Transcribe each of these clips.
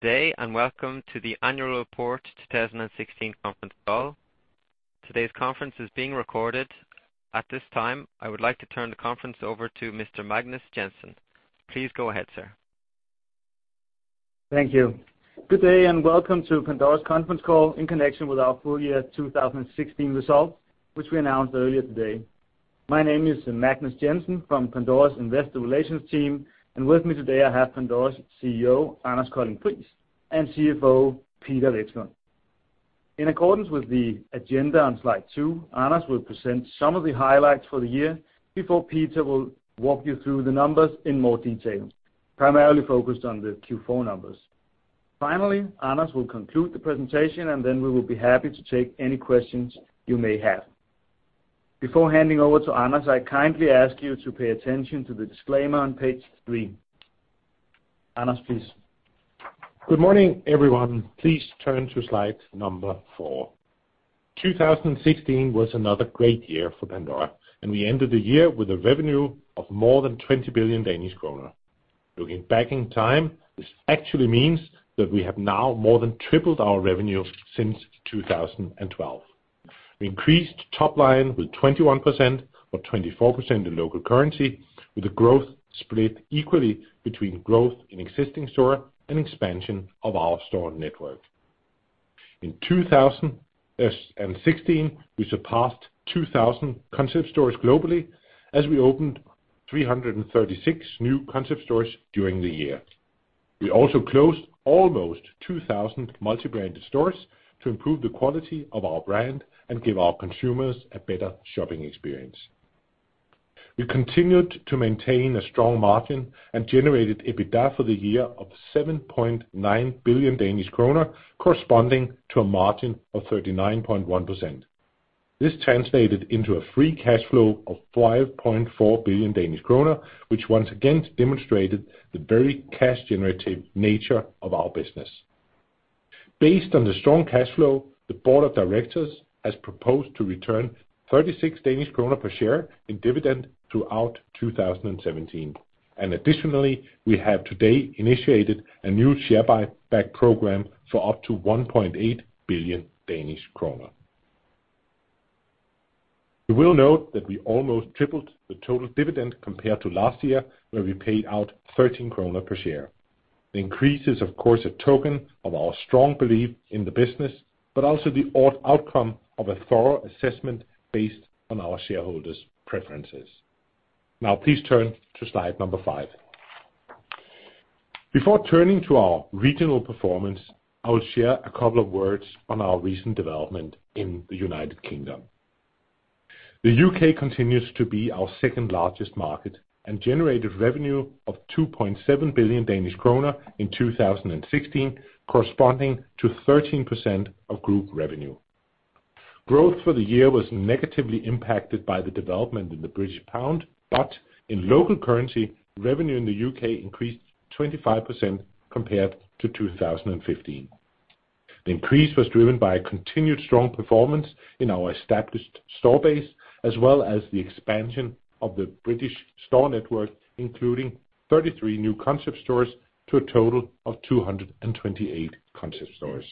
Good day, and welcome to the Annual Report 2016 conference call. Today's conference is being recorded. At this time, I would like to turn the conference over to Mr. Magnus Jensen. Please go ahead, sir. Thank you. Good day, and welcome to Pandora's conference call in connection with our full year 2016 results, which we announced earlier today. My name is Magnus Jensen from Pandora's Investor Relations team, and with me today, I have Pandora's CEO, Anders Colding Friis, and CFO, Peter Vekslund. In accordance with the agenda on slide two, Anders will present some of the highlights for the year before Peter will walk you through the numbers in more detail, primarily focused on the Q4 numbers. Finally, Anders will conclude the presentation, and then we will be happy to take any questions you may have. Before handing over to Anders, I kindly ask you to pay attention to the disclaimer on page three. Anders, please. Good morning, everyone. Please turn to slide number four. 2016 was another great year for Pandora, and we ended the year with a revenue of more than 20 billion Danish kroner. Looking back in time, this actually means that we have now more than tripled our revenue since 2012. We increased top line with 21%, or 24% in local currency, with the growth split equally between growth in existing store and expansion of our store network. In 2016, we surpassed 2,000 concept stores globally, as we opened 336 new concept stores during the year. We also closed almost 2,000 multi-branded stores to improve the quality of our brand and give our consumers a better shopping experience. We continued to maintain a strong margin and generated EBITDA for the year of 7.9 billion Danish kroner, corresponding to a margin of 39.1%. This translated into a free cash flow of 5.4 billion Danish kroner, which once again demonstrated the very cash-generative nature of our business. Based on the strong cash flow, the board of directors has proposed to return 36 Danish kroner per share in dividend throughout 2017, and additionally, we have today initiated a new share buyback program for up to 1.8 billion Danish kroner. You will note that we almost tripled the total dividend compared to last year, where we paid out 13 kroner per share. The increase is, of course, a token of our strong belief in the business, but also the outcome of a thorough assessment based on our shareholders' preferences. Now please turn to slide number five. Before turning to our regional performance, I will share a couple of words on our recent development in the United Kingdom. The U.K. continues to be our second largest market and generated revenue of 2.7 billion Danish kroner in 2016, corresponding to 13% of group revenue. Growth for the year was negatively impacted by the development in the British pound, but in local currency, revenue in the U.K. increased 25% compared to 2015. The increase was driven by a continued strong performance in our established store base, as well as the expansion of the British store network, including 33 new Concept Stores to a total of 228 Concept Stores.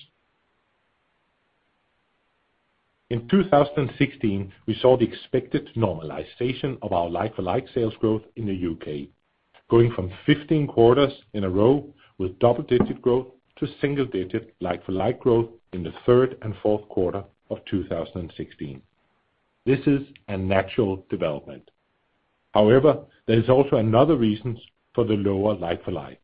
In 2016, we saw the expected normalization of our Like-for-Like sales growth in the U.K., going from 15 quarters in a row with double-digit growth to single-digit Like-for-Like growth in the third and fourth quarter of 2016. This is a natural development. However, there is also another reasons for the lower Like-for-Like.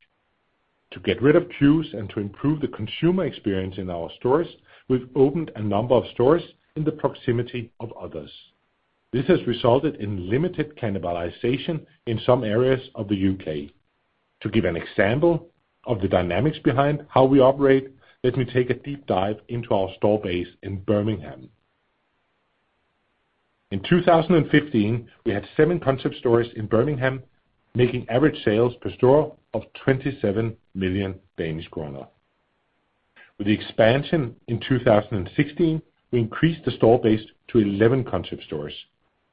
To get rid of queues and to improve the consumer experience in our stores, we've opened a number of stores in the proximity of others. This has resulted in limited cannibalization in some areas of the U.K. To give an example of the dynamics behind how we operate, let me take a deep dive into our store base in Birmingham. In 2015, we had 7 Concept Stores in Birmingham, making average sales per store of 27 million Danish kroner. With the expansion in 2016, we increased the store base to 11 concept stores,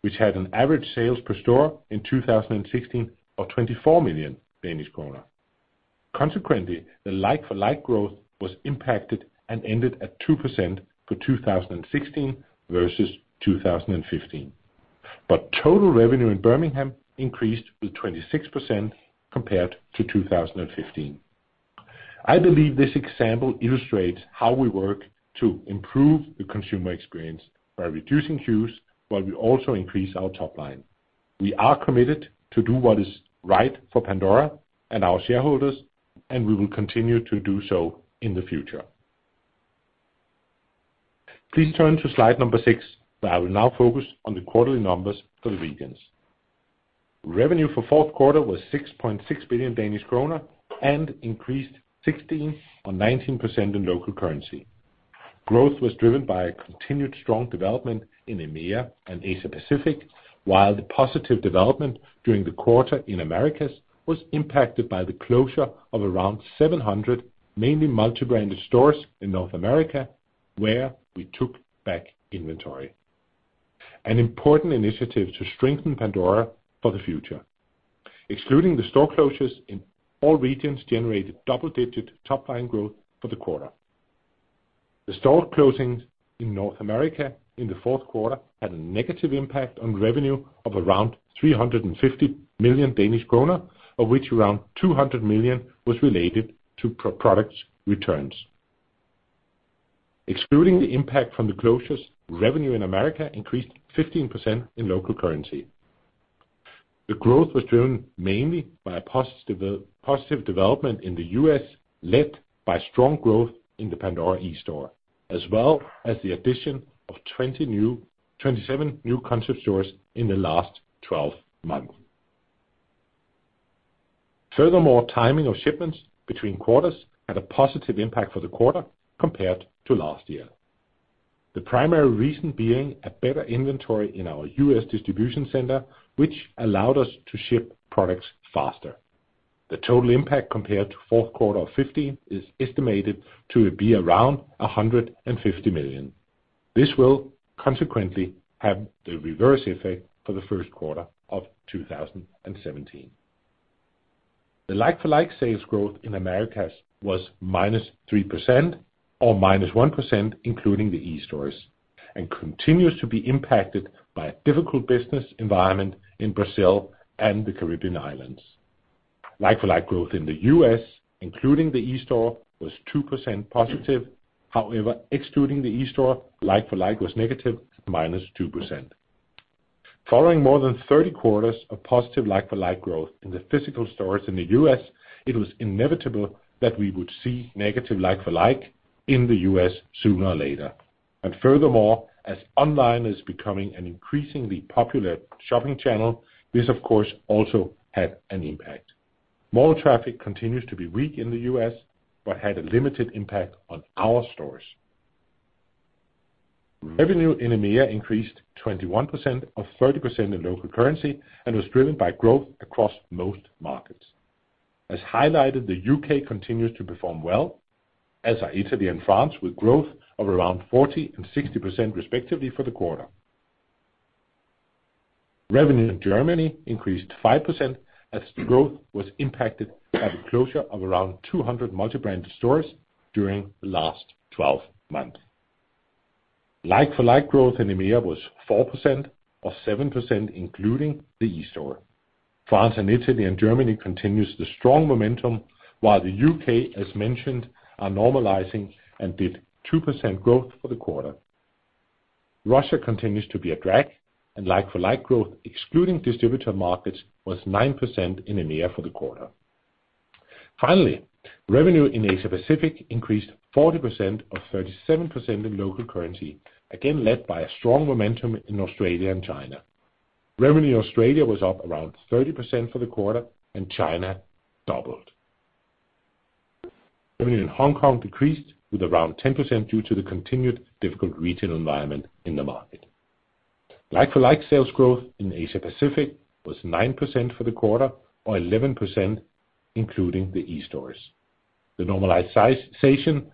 which had an average sales per store in 2016 of 24 million Danish kroner. Consequently, the like-for-like growth was impacted and ended at 2% for 2016 versus 2015, but total revenue in Birmingham increased to 26% compared to 2015. I believe this example illustrates how we work to improve the consumer experience by reducing queues, while we also increase our top line. We are committed to do what is right for Pandora and our shareholders, and we will continue to do so in the future. Please turn to slide number six, where I will now focus on the quarterly numbers for the regions. Revenue for the fourth quarter was 6.6 billion Danish kroner and increased 16% or 19% in local currency. Growth was driven by a continued strong development in EMEA and Asia Pacific, while the positive development during the quarter in Americas was impacted by the closure of around 700, mainly multi-branded stores in North America, where we took back inventory—an important initiative to strengthen Pandora for the future. Excluding the store closures in all regions generated double-digit top-line growth for the quarter. The store closings in North America in the fourth quarter had a negative impact on revenue of around 350 million Danish kroner, of which around 200 million was related to product returns. Excluding the impact from the closures, revenue in America increased 15% in local currency. The growth was driven mainly by a positive development in the U.S., led by strong growth in the Pandora eSTORE, as well as the addition of 27 new concept stores in the last 12 months. Furthermore, timing of shipments between quarters had a positive impact for the quarter compared to last year. The primary reason being a better inventory in our U.S. distribution center, which allowed us to ship products faster. The total impact compared to fourth quarter of 2015 is estimated to be around 150 million. This will consequently have the reverse effect for the first quarter of 2017. The like-for-like sales growth in Americas was -3%, or -1% including the eSTORE, and continues to be impacted by a difficult business environment in Brazil and the Caribbean Islands. Like-for-like growth in the U.S., including the eSTORE, was 2% positive. However, excluding the eSTOREs, like-for-like was negative, -2%. Following more than 30 quarters of positive like-for-like growth in the physical stores in the U.S., it was inevitable that we would see negative like-for-like in the U.S. sooner or later. And furthermore, as online is becoming an increasingly popular shopping channel, this, of course, also had an impact. Mall traffic continues to be weak in the U.S., but had a limited impact on our stores. Revenue in EMEA increased 21%, or 30% in local currency, and was driven by growth across most markets. As highlighted, the U.K. continues to perform well, as are Italy and France, with growth of around 40% and 60%, respectively, for the quarter. Revenue in Germany increased 5%, as growth was impacted by the closure of around 200 multi-brand stores during the last 12 months. Like-for-like growth in EMEA was 4%, or 7% including the eSTORE. France and Italy and Germany continues the strong momentum, while the U.K., as mentioned, are normalizing and did 2% growth for the quarter. Russia continues to be a drag, and like-for-like growth, excluding distributor markets, was 9% in EMEA for the quarter. Finally, revenue in Asia Pacific increased 40%, or 37% in local currency, again led by a strong momentum in Australia and China. Revenue in Australia was up around 30% for the quarter, and China doubled. Revenue in Hong Kong decreased with around 10% due to the continued difficult retail environment in the market. Like-for-like sales growth in Asia Pacific was 9% for the quarter, or 11% including the eSTORE. The normalized seasonality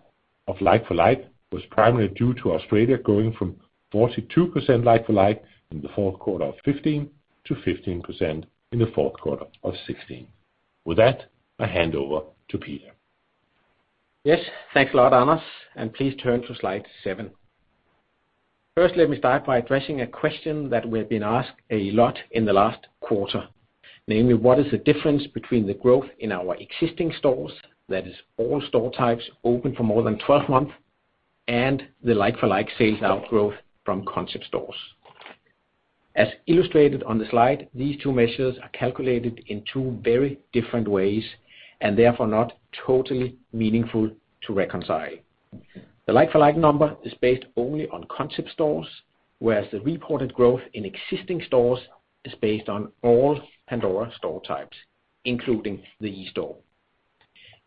of like-for-like was primarily due to Australia going from 42% like-for-like in the fourth quarter of 2015 to 15% in the fourth quarter of 2016. With that, I hand over to Peter. Yes, thanks a lot, Anders, and please turn to slide seven. First, let me start by addressing a question that we have been asked a lot in the last quarter. Namely, what is the difference between the growth in our existing stores, that is all store types open for more than 12 months, and the Like-for-Like sales growth from Concept Stores? As illustrated on the slide, these two measures are calculated in two very different ways, and therefore not totally meaningful to reconcile. The Like-for-Like number is based only on Concept Stores, whereas the reported growth in existing stores is based on all Pandora store types, including the eSTORE.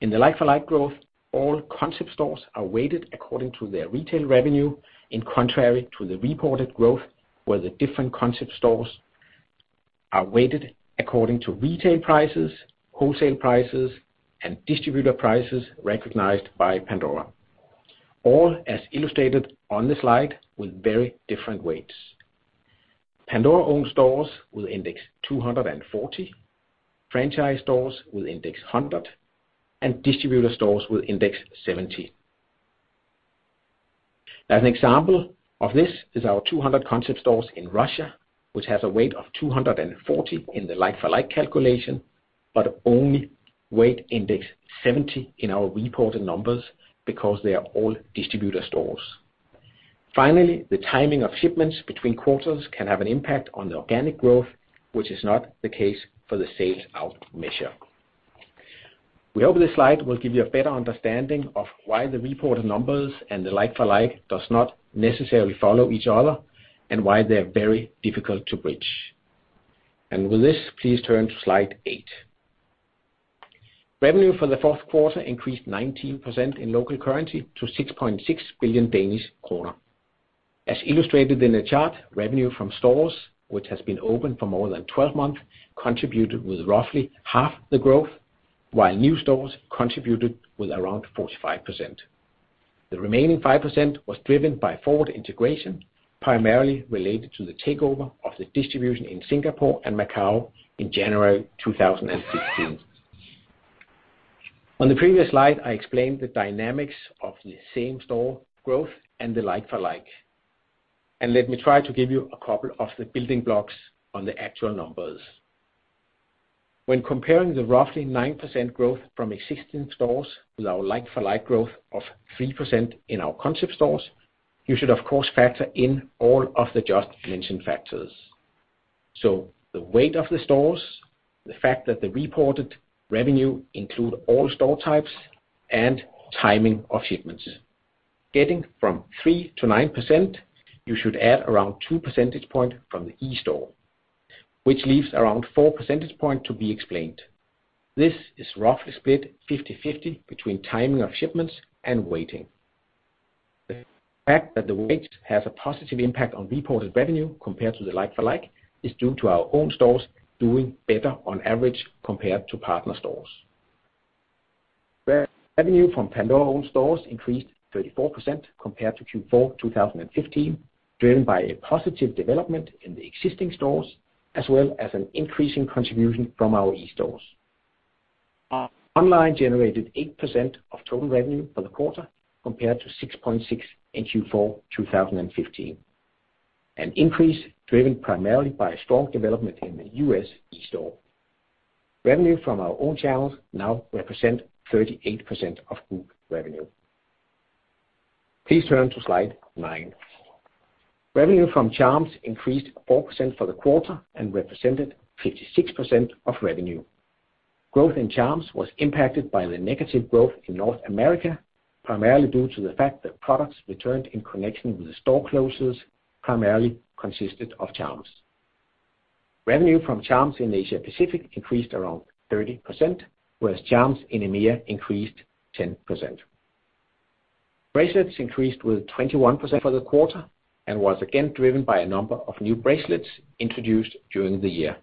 In the Like-for-Like growth, all Concept Stores are weighted according to their retail revenue, contrary to the reported growth, where the different Concept Stores are weighted according to retail prices, wholesale prices, and distributor prices recognized by Pandora. All, as illustrated on the slide, with very different weights. Pandora-owned stores will index 240, franchise stores will index 100, and distributor stores will index 70. As an example of this is our 200 Concept Stores in Russia, which has a weight of 240 in the Like-for-Like calculation, but only weight index 70 in our reported numbers, because they are all distributor stores. Finally, the timing of shipments between quarters can have an impact on the organic growth, which is not the case for the sales out measure. We hope this slide will give you a better understanding of why the reported numbers and the Like-for-Like does not necessarily follow each other, and why they are very difficult to bridge. With this, please turn to slide eight. Revenue for the fourth quarter increased 19% in local currency to 6.6 billion Danish kroner. As illustrated in the chart, revenue from stores, which has been open for more than 12 months, contributed with roughly half the growth, while new stores contributed with around 45%.... The remaining 5% was driven by forward integration, primarily related to the takeover of the distribution in Singapore and Macau in January 2016. On the previous slide, I explained the dynamics of the same-store growth and the like-for-like. And let me try to give you a couple of the building blocks on the actual numbers. When comparing the roughly 9% growth from existing stores with our like-for-like growth of 3% in our concept stores, you should, of course, factor in all of the just mentioned factors. So the weight of the stores, the fact that the reported revenue include all store types, and timing of shipments. Getting from 3%-9%, you should add around 2 percentage points from the eSTORE, which leaves around 4 percentage points to be explained. This is roughly split 50/50 between timing of shipments and weighting. The fact that the weight has a positive impact on reported revenue compared to the like-for-like, is due to our own stores doing better on average compared to partner stores. Revenue from Pandora-owned stores increased 34% compared to Q4 2015, driven by a positive development in the existing stores, as well as an increasing contribution from our eSTORE. Our online generated 8% of total revenue for the quarter, compared to 6.6 in Q4 2015, an increase driven primarily by strong development in the U.S. eSTORE. Revenue from our own channels now represent 38% of group revenue. Please turn to slide nine. Revenue from charms increased 4% for the quarter and represented 56% of revenue. Growth in charms was impacted by the negative growth in North America, primarily due to the fact that products returned in connection with the store closures primarily consisted of charms. Revenue from charms in Asia Pacific increased around 30%, whereas charms in EMEA increased 10%. Bracelets increased with 21% for the quarter and was again driven by a number of new bracelets introduced during the year,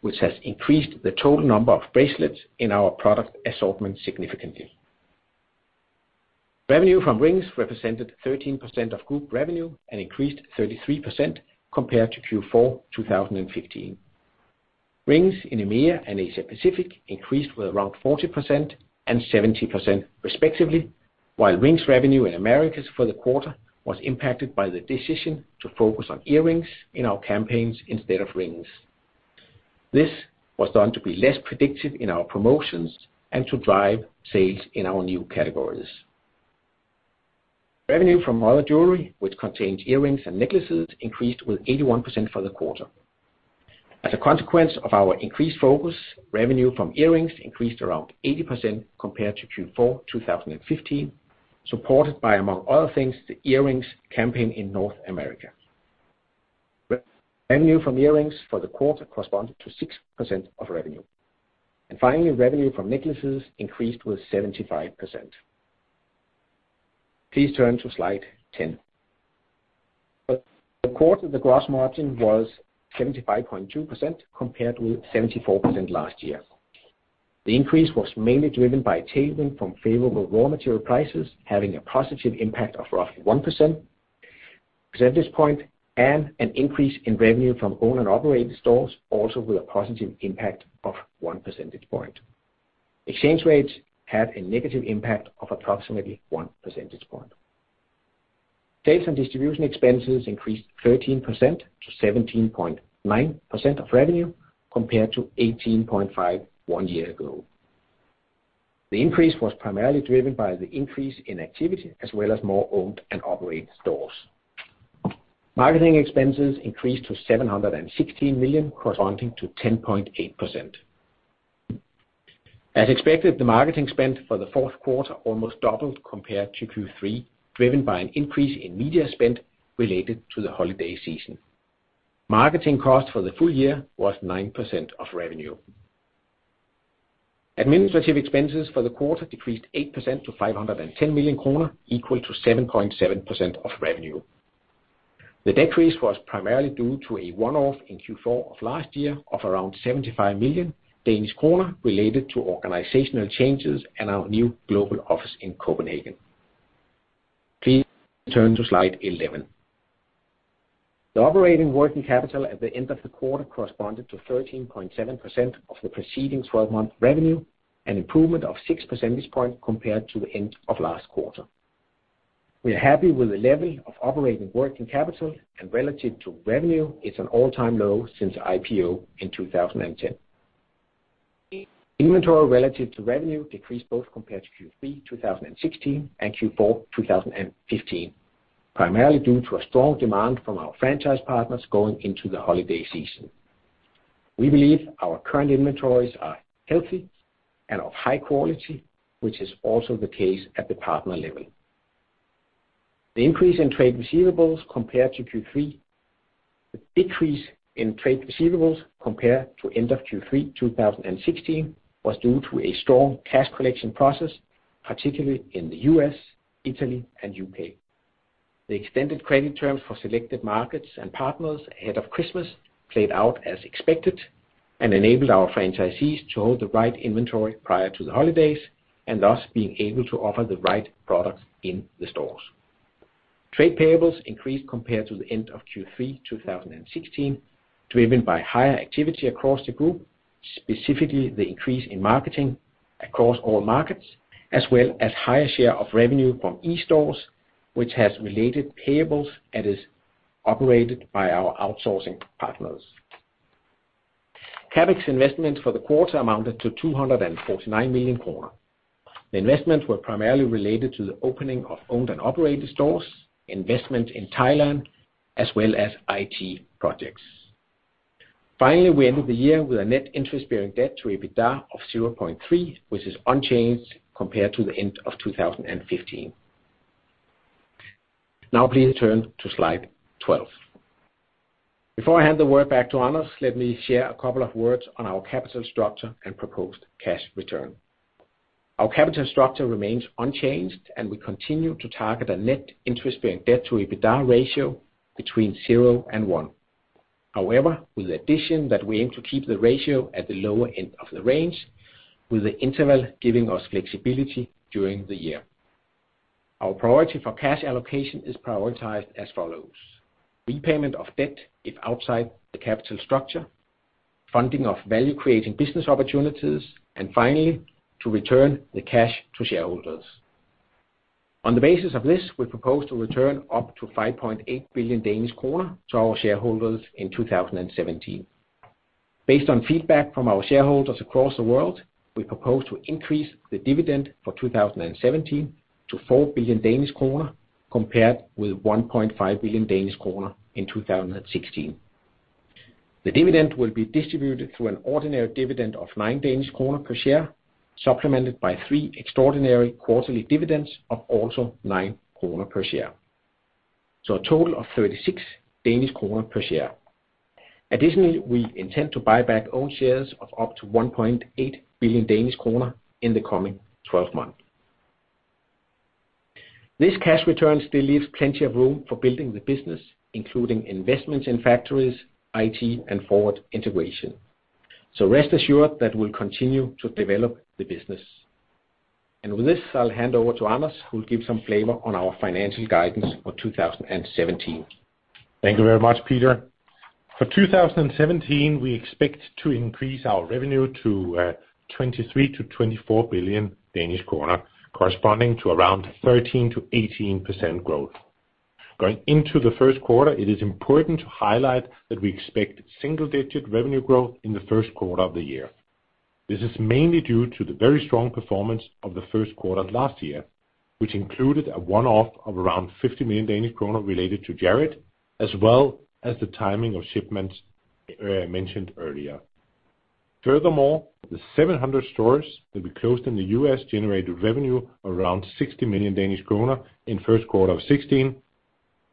which has increased the total number of bracelets in our product assortment significantly. Revenue from rings represented 13% of group revenue and increased 33% compared to Q4 2015. Rings in EMEA and Asia Pacific increased with around 40% and 70% respectively, while rings revenue in Americas for the quarter was impacted by the decision to focus on earrings in our campaigns instead of rings. This was done to be less predictive in our promotions and to drive sales in our new categories. Revenue from other jewelry, which contained earrings and necklaces, increased with 81% for the quarter. As a consequence of our increased focus, revenue from earrings increased around 80% compared to Q4 2015, supported by, among other things, the earrings campaign in North America. Revenue from earrings for the quarter corresponded to 6% of revenue. Finally, revenue from necklaces increased with 75%. Please turn to Slide 10. For the quarter, the gross margin was 75.2%, compared with 74% last year. The increase was mainly driven by a tailwind from favorable raw material prices, having a positive impact of roughly 1 percentage point, and an increase in revenue from owned and operated stores, also with a positive impact of 1 percentage point. Exchange rates had a negative impact of approximately 1 percentage point. Sales and distribution expenses increased 13% to 17.9% of revenue, compared to 18.5% one year ago. The increase was primarily driven by the increase in activity, as well as more owned and operated stores. Marketing expenses increased to 716 million, corresponding to 10.8%. As expected, the marketing spend for the fourth quarter almost doubled compared to Q3, driven by an increase in media spend related to the holiday season. Marketing cost for the full year was 9% of revenue. Administrative expenses for the quarter decreased 8% to 510 million kroner, equal to 7.7% of revenue. The decrease was primarily due to a one-off in Q4 of last year of around 75 million Danish kroner related to organizational changes and our new global office in Copenhagen. Please turn to Slide 11. The operating working capital at the end of the quarter corresponded to 13.7% of the preceding 12-month revenue, an improvement of six percentage points compared to the end of last quarter. We are happy with the level of Operating Working Capital, and relative to revenue, it's an all-time low since the IPO in 2010. Inventory relative to revenue decreased both compared to Q3 2016 and Q4 2015, primarily due to a strong demand from our franchise partners going into the holiday season. We believe our current inventories are healthy and of high quality, which is also the case at the partner level. The increase in trade receivables compared to Q3—the decrease in trade receivables compared to end of Q3 2016 was due to a strong cash collection process, particularly in the U.S., Italy, and U.K. The extended credit terms for selected markets and partners ahead of Christmas played out as expected, and enabled our franchisees to hold the right inventory prior to the holidays, and thus being able to offer the right products in the stores. Trade payables increased compared to the end of Q3 2016, driven by higher activity across the group, specifically the increase in marketing across all markets, as well as higher share of revenue from e-stores, which has related payables and is operated by our outsourcing partners. CapEx investment for the quarter amounted to 249 million kroner. The investments were primarily related to the opening of owned and operated stores, investment in Thailand, as well as IT projects. Finally, we ended the year with a net interest-bearing debt to EBITDA of 0.3, which is unchanged compared to the end of 2015. Now please turn to Slide 12. Before I hand the word back to Anders, let me share a couple of words on our capital structure and proposed cash return. Our capital structure remains unchanged, and we continue to target a net interest-bearing debt to EBITDA ratio between 0 and 1. However, with the addition that we aim to keep the ratio at the lower end of the range, with the interval giving us flexibility during the year. Our priority for cash allocation is prioritized as follows: repayment of debt if outside the capital structure, funding of value-creating business opportunities, and finally, to return the cash to shareholders. On the basis of this, we propose to return up to 5.8 billion Danish kroner to our shareholders in 2017. Based on feedback from our shareholders across the world, we propose to increase the dividend for 2017 to 4 billion Danish kroner, compared with 1.5 billion Danish kroner in 2016. The dividend will be distributed through an ordinary dividend of 9 Danish kroner per share, supplemented by three extraordinary quarterly dividends of also 9 kroner per share, so a total of 36 Danish kroner per share. Additionally, we intend to buy back own shares of up to 1.8 billion Danish kroner in the coming 12 months. This cash return still leaves plenty of room for building the business, including investments in factories, IT, and forward integration. So rest assured that we'll continue to develop the business. With this, I'll hand over to Anders, who'll give some flavor on our financial guidance for 2017. Thank you very much, Peter. For 2017, we expect to increase our revenue to 23 billion-24 billion Danish kroner, corresponding to around 13%-18% growth. Going into the first quarter, it is important to highlight that we expect single-digit revenue growth in the first quarter of the year. This is mainly due to the very strong performance of the first quarter last year, which included a one-off of around 50 million Danish kroner related to Jared, as well as the timing of shipments mentioned earlier. Furthermore, the 700 stores that we closed in the U.S. generated revenue of around 60 million Danish kroner in first quarter of 2016.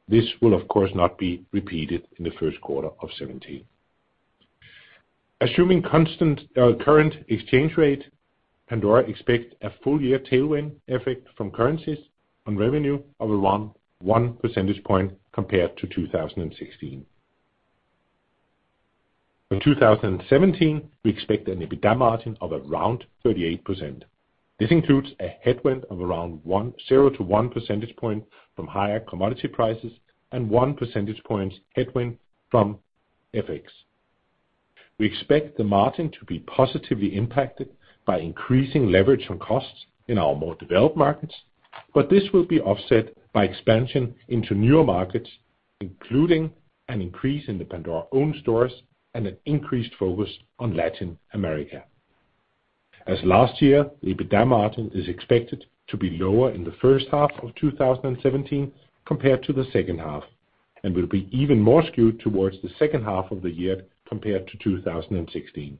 This will, of course, not be repeated in the first quarter of 2017. Assuming constant current exchange rate, Pandora expects a full year tailwind effect from currencies on revenue of around 1 percentage point compared to 2016. In 2017, we expect an EBITDA margin of around 38%. This includes a headwind of around 1.0-1 percentage point from higher commodity prices and 1 percentage points headwind from FX. We expect the margin to be positively impacted by increasing leverage on costs in our more developed markets, but this will be offset by expansion into newer markets, including an increase in the Pandora-owned stores and an increased focus on Latin America. As last year, the EBITDA margin is expected to be lower in the first half of 2017 compared to the second half, and will be even more skewed towards the second half of the year compared to 2016.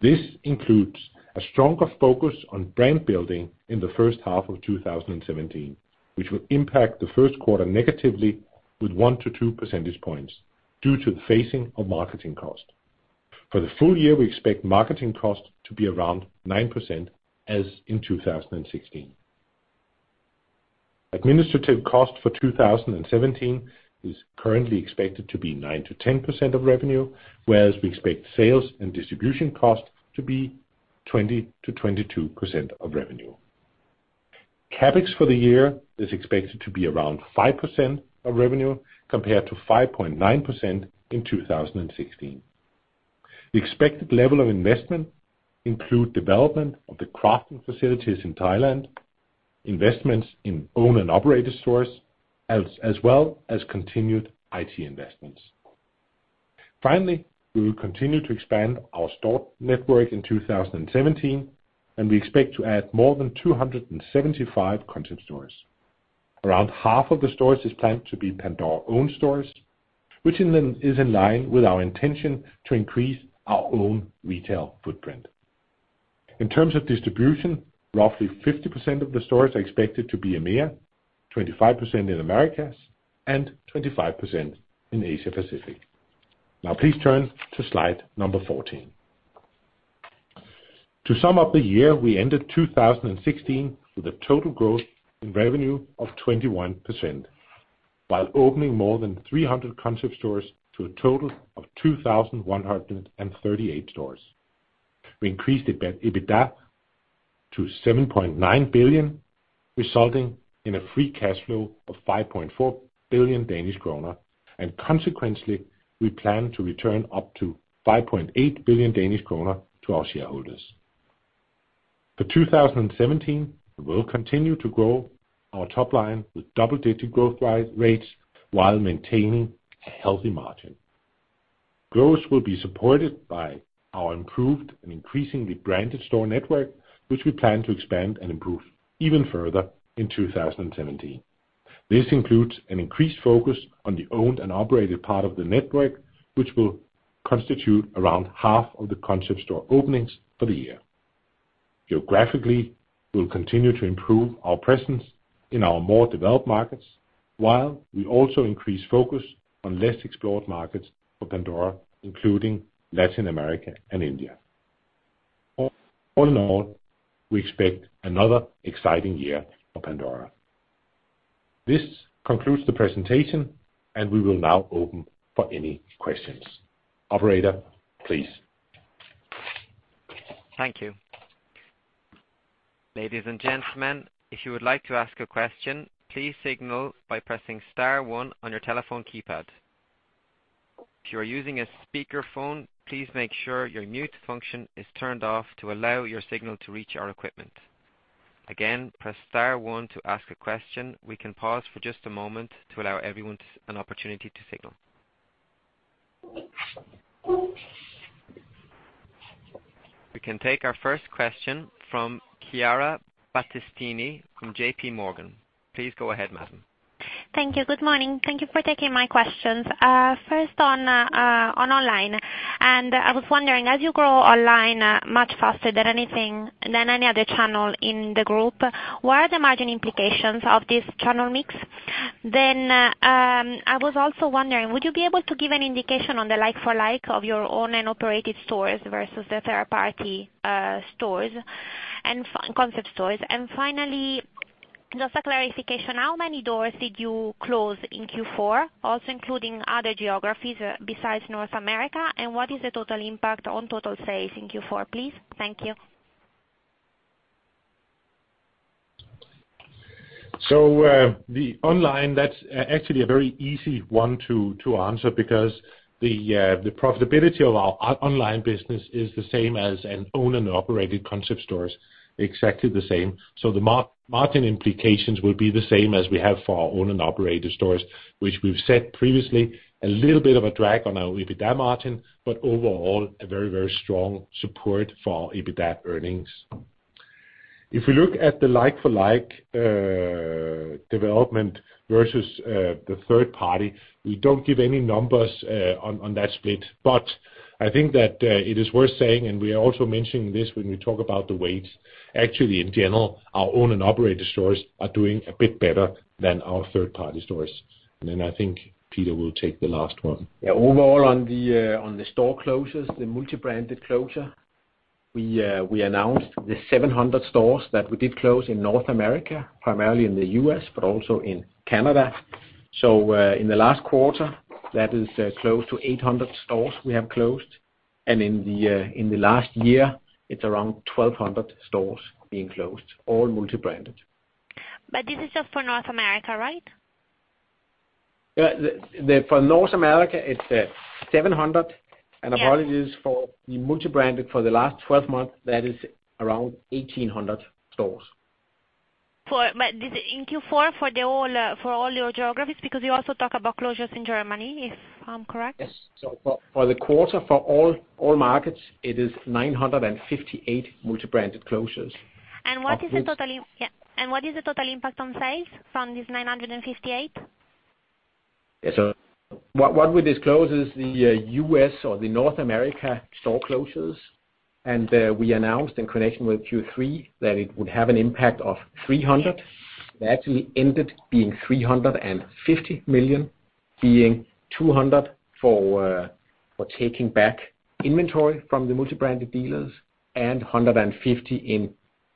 This includes a stronger focus on brand building in the first half of 2017, which will impact the first quarter negatively with 1-2 percentage points due to the phasing of marketing costs. For the full year, we expect marketing costs to be around 9%, as in 2016. Administrative cost for 2017 is currently expected to be 9%-10% of revenue, whereas we expect sales and distribution costs to be 20%-22% of revenue. CapEx for the year is expected to be around 5% of revenue, compared to 5.9% in 2016. The expected level of investment include development of the crafting facilities in Thailand, investments in owned and operated stores, as well as continued IT investments. Finally, we will continue to expand our store network in 2017, and we expect to add more than 275 concept stores. Around half of the stores is planned to be Pandora-owned stores, which is in line with our intention to increase our own retail footprint. In terms of distribution, roughly 50% of the stores are expected to be EMEA, 25% in Americas, and 25% in Asia Pacific. Now please turn to Slide number 14. To sum up the year, we ended 2016 with a total growth in revenue of 21%, while opening more than 300 concept stores to a total of 2,138 stores. We increased EBITDA to 7.9 billion, resulting in a free cash flow of 5.4 billion Danish kroner, and consequently, we plan to return up to 5.8 billion Danish kroner to our shareholders. For 2017, we will continue to grow our top line with double-digit growth rates while maintaining a healthy margin. Growth will be supported by our improved and increasingly branded store network, which we plan to expand and improve even further in 2017. This includes an increased focus on the owned and operated part of the network, which will constitute around half of the Concept Store openings for the year. Geographically, we'll continue to improve our presence in our more developed markets, while we also increase focus on less explored markets for Pandora, including Latin America and India. All in all, we expect another exciting year for Pandora. This concludes the presentation, and we will now open for any questions. Operator, please. Thank you. Ladies and gentlemen, if you would like to ask a question, please signal by pressing star one on your telephone keypad. If you are using a speakerphone, please make sure your mute function is turned off to allow your signal to reach our equipment. Again, press star one to ask a question. We can pause for just a moment to allow everyone an opportunity to signal. We can take our first question from Chiara Battistini from J.P. Morgan. Please go ahead, madam. Thank you. Good morning. Thank you for taking my questions. First on online, and I was wondering, as you grow online much faster than anything, than any other channel in the group, what are the margin implications of this channel mix? Then, I was also wondering, would you be able to give an indication on the Like-for-Like of your owned and operated stores versus the third party stores and Concept Stores? And finally, just a clarification, how many doors did you close in Q4, also including other geographies besides North America, and what is the total impact on total sales in Q4, please? Thank you. So, the online, that's actually a very easy one to answer, because the profitability of our online business is the same as an owned and operated Concept Stores, exactly the same. So the margin implications will be the same as we have for our owned and operated stores, which we've said previously, a little bit of a drag on our EBITDA margin, but overall, a very, very strong support for our EBITDA earnings. If we look at the like-for-like development versus the third party, we don't give any numbers on that split. But I think that it is worth saying, and we are also mentioning this when we talk about the weights. Actually, in general, our owned and operated stores are doing a bit better than our third-party stores, and then I think Peter will take the last one. Yeah, overall, on the store closures, the multi-branded closure, we announced the 700 stores that we did close in North America, primarily in the U.S., but also in Canada. So, in the last quarter, that is, close to 800 stores we have closed, and in the last year, it's around 1,200 stores being closed, all multi-branded. But this is just for North America, right? Yeah, for North America, it's 700, and apologies for the multi-branded for the last 12 months, that is around 1,800 stores. For but this in Q4, for all your geographies, because you also talk about closures in Germany, if I'm correct? Yes. So for the quarter, for all markets, it is 958 multi-branded closures. What is the total impact on sales from this 958? So what we disclose is the U.S. or the North America store closures, and we announced in connection with Q3 that it would have an impact of 300. That actually ended being 350 million, being 200 for taking back inventory from the multi-branded dealers and 150 in,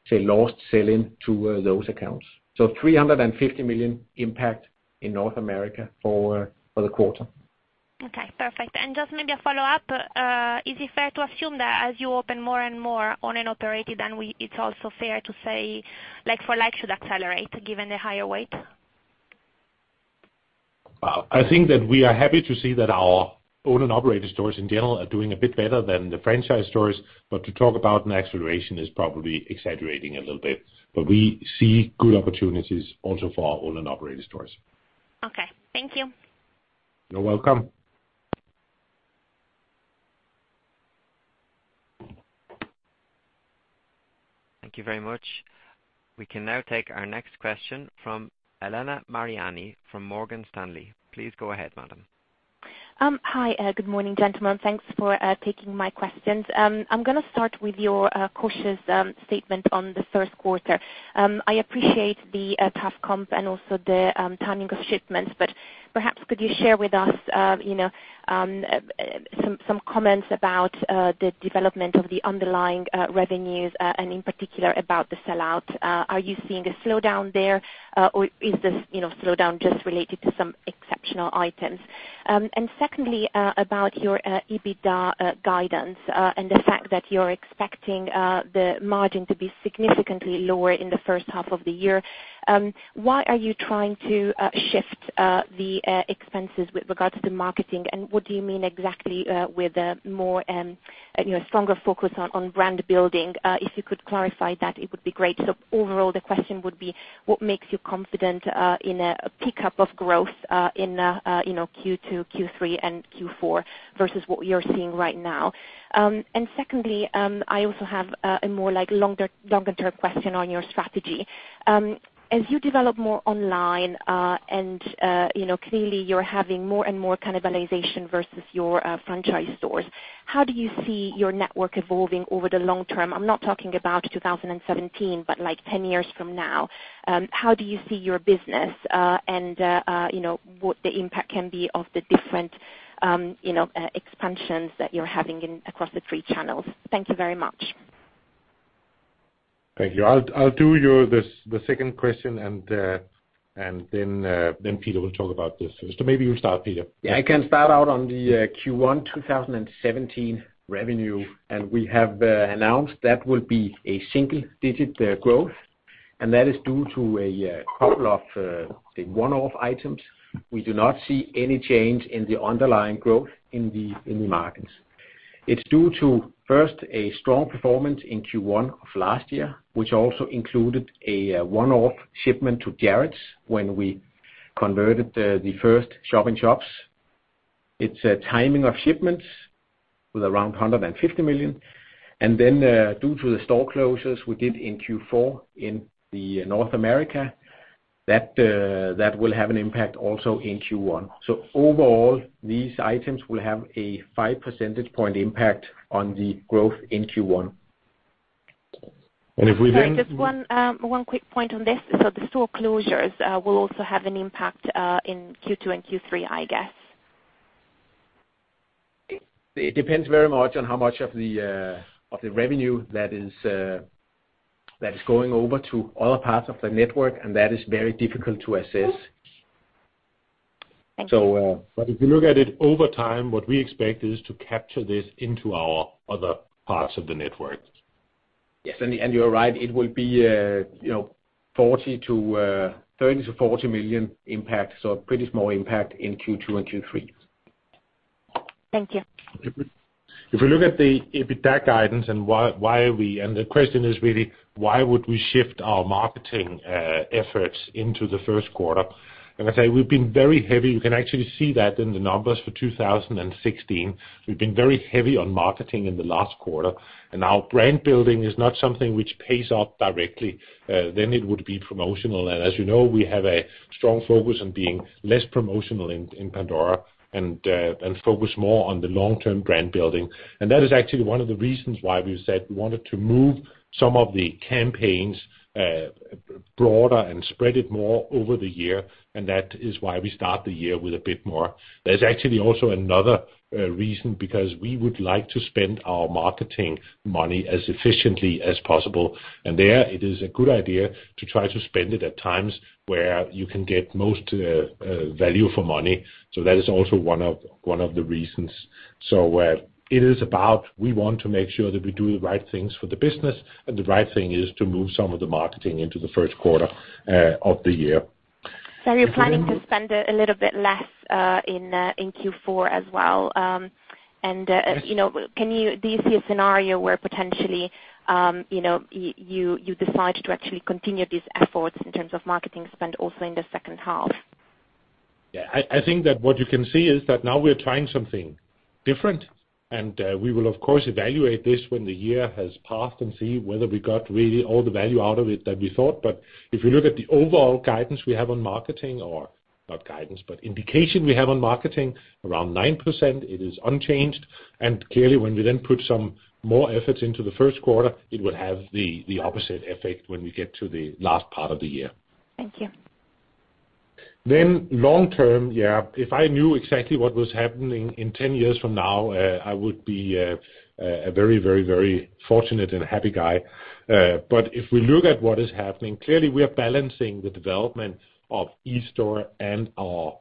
say, lost sell-in to those accounts. So 350 million impact in North America for the quarter. Okay, perfect. And just maybe a follow-up, is it fair to assume that as you open more and more owned and operated, then it's also fair to say, Like-for-Like should accelerate, given the higher weight? Well, I think that we are happy to see that our owned and operated stores in general are doing a bit better than the franchise stores, but to talk about an acceleration is probably exaggerating a little bit. But we see good opportunities also for our owned and operated stores. Okay. Thank you. You're welcome. Thank you very much. We can now take our next question from Elena Mariani, from Morgan Stanley. Please go ahead, madam.... Hi, good morning, gentlemen. Thanks for taking my questions. I'm gonna start with your cautious statement on the first quarter. I appreciate the tough comp and also the timing of shipments, but perhaps could you share with us, you know, some comments about the development of the underlying revenues, and in particular, about the sellout? Are you seeing a slowdown there, or is this slowdown, you know, just related to some exceptional items? And secondly, about your EBITDA guidance, and the fact that you're expecting the margin to be significantly lower in the first half of the year. Why are you trying to shift the expenses with regards to the marketing, and what do you mean exactly with a more you know stronger focus on brand building? If you could clarify that, it would be great. Overall, the question would be: What makes you confident in a pick-up of growth in you know Q2, Q3, and Q4 versus what you're seeing right now? And secondly, I also have a more like longer-term question on your strategy. As you develop more online and you know clearly you're having more and more cannibalization versus your franchise stores, how do you see your network evolving over the long term? I'm not talking about 2017, but like 10 years from now. How do you see your business and, you know, what the impact can be of the different, you know, expansions that you're having in across the three channels? Thank you very much. Thank you. I'll do your, the second question, and then Peter will talk about this. So maybe you start, Peter. Yeah, I can start out on the Q1 2017 revenue, and we have announced that will be a single-digit growth, and that is due to a couple of the one-off items. We do not see any change in the underlying growth in the markets. It's due to, first, a strong performance in Q1 of last year, which also included a one-off shipment to Jared's when we converted the first shop-in-shops. It's a timing of shipments with around 150 million, and then due to the store closures we did in Q4 in North America, that will have an impact also in Q1. So overall, these items will have a 5 percentage point impact on the growth in Q1. And if we then- Sorry, just one quick point on this. So the store closures will also have an impact in Q2 and Q3, I guess? It depends very much on how much of the revenue that is going over to other parts of the network, and that is very difficult to assess. Thank you. So, uh- But if you look at it over time, what we expect is to capture this into our other parts of the network. Yes, and you are right, it will be, you know, 30 million-40 million impact, so a pretty small impact in Q2 and Q3. Thank you. If we look at the EBITDA guidance and why we are. And the question is really: Why would we shift our marketing efforts into the first quarter? And I say we've been very heavy. You can actually see that in the numbers for 2016. We've been very heavy on marketing in the last quarter, and our brand building is not something which pays off directly, then it would be promotional. And as you know, we have a strong focus on being less promotional in Pandora and focus more on the long-term brand building. And that is actually one of the reasons why we said we wanted to move some of the campaigns broader and spread it more over the year, and that is why we start the year with a bit more. There's actually also another reason, because we would like to spend our marketing money as efficiently as possible, and there it is a good idea to try to spend it at times where you can get most value for money. So that is also one of the reasons. So, it is about we want to make sure that we do the right things for the business, and the right thing is to move some of the marketing into the first quarter of the year. So are you planning to spend a little bit less in Q4 as well? And you know, do you see a scenario where potentially you know, you decide to actually continue these efforts in terms of marketing spend also in the second half? Yeah, I, I think that what you can see is that now we're trying something different, and we will of course evaluate this when the year has passed and see whether we got really all the value out of it that we thought. But if you look at the overall guidance we have on marketing or, not guidance, but indication we have on marketing, around 9%, it is unchanged, and clearly, when we then put some more efforts into the first quarter, it will have the opposite effect when we get to the last part of the year. Thank you. Then long term, yeah, if I knew exactly what was happening in 10 years from now, I would be a very, very, very fortunate and happy guy. But if we look at what is happening, clearly we are balancing the development of eSTORE and our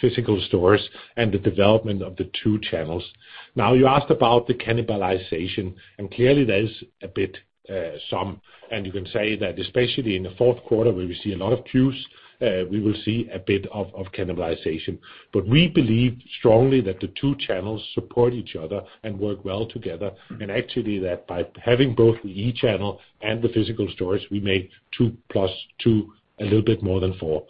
physical stores and the development of the two channels. Now, you asked about the cannibalization, and clearly, there is a bit some, and you can say that especially in the fourth quarter, where we see a lot of queues, we will see a bit of cannibalization. But we believe strongly that the two channels support each other and work well together, and actually that by having both the eChannel and the physical stores, we make 2 + 2 a little bit more than four.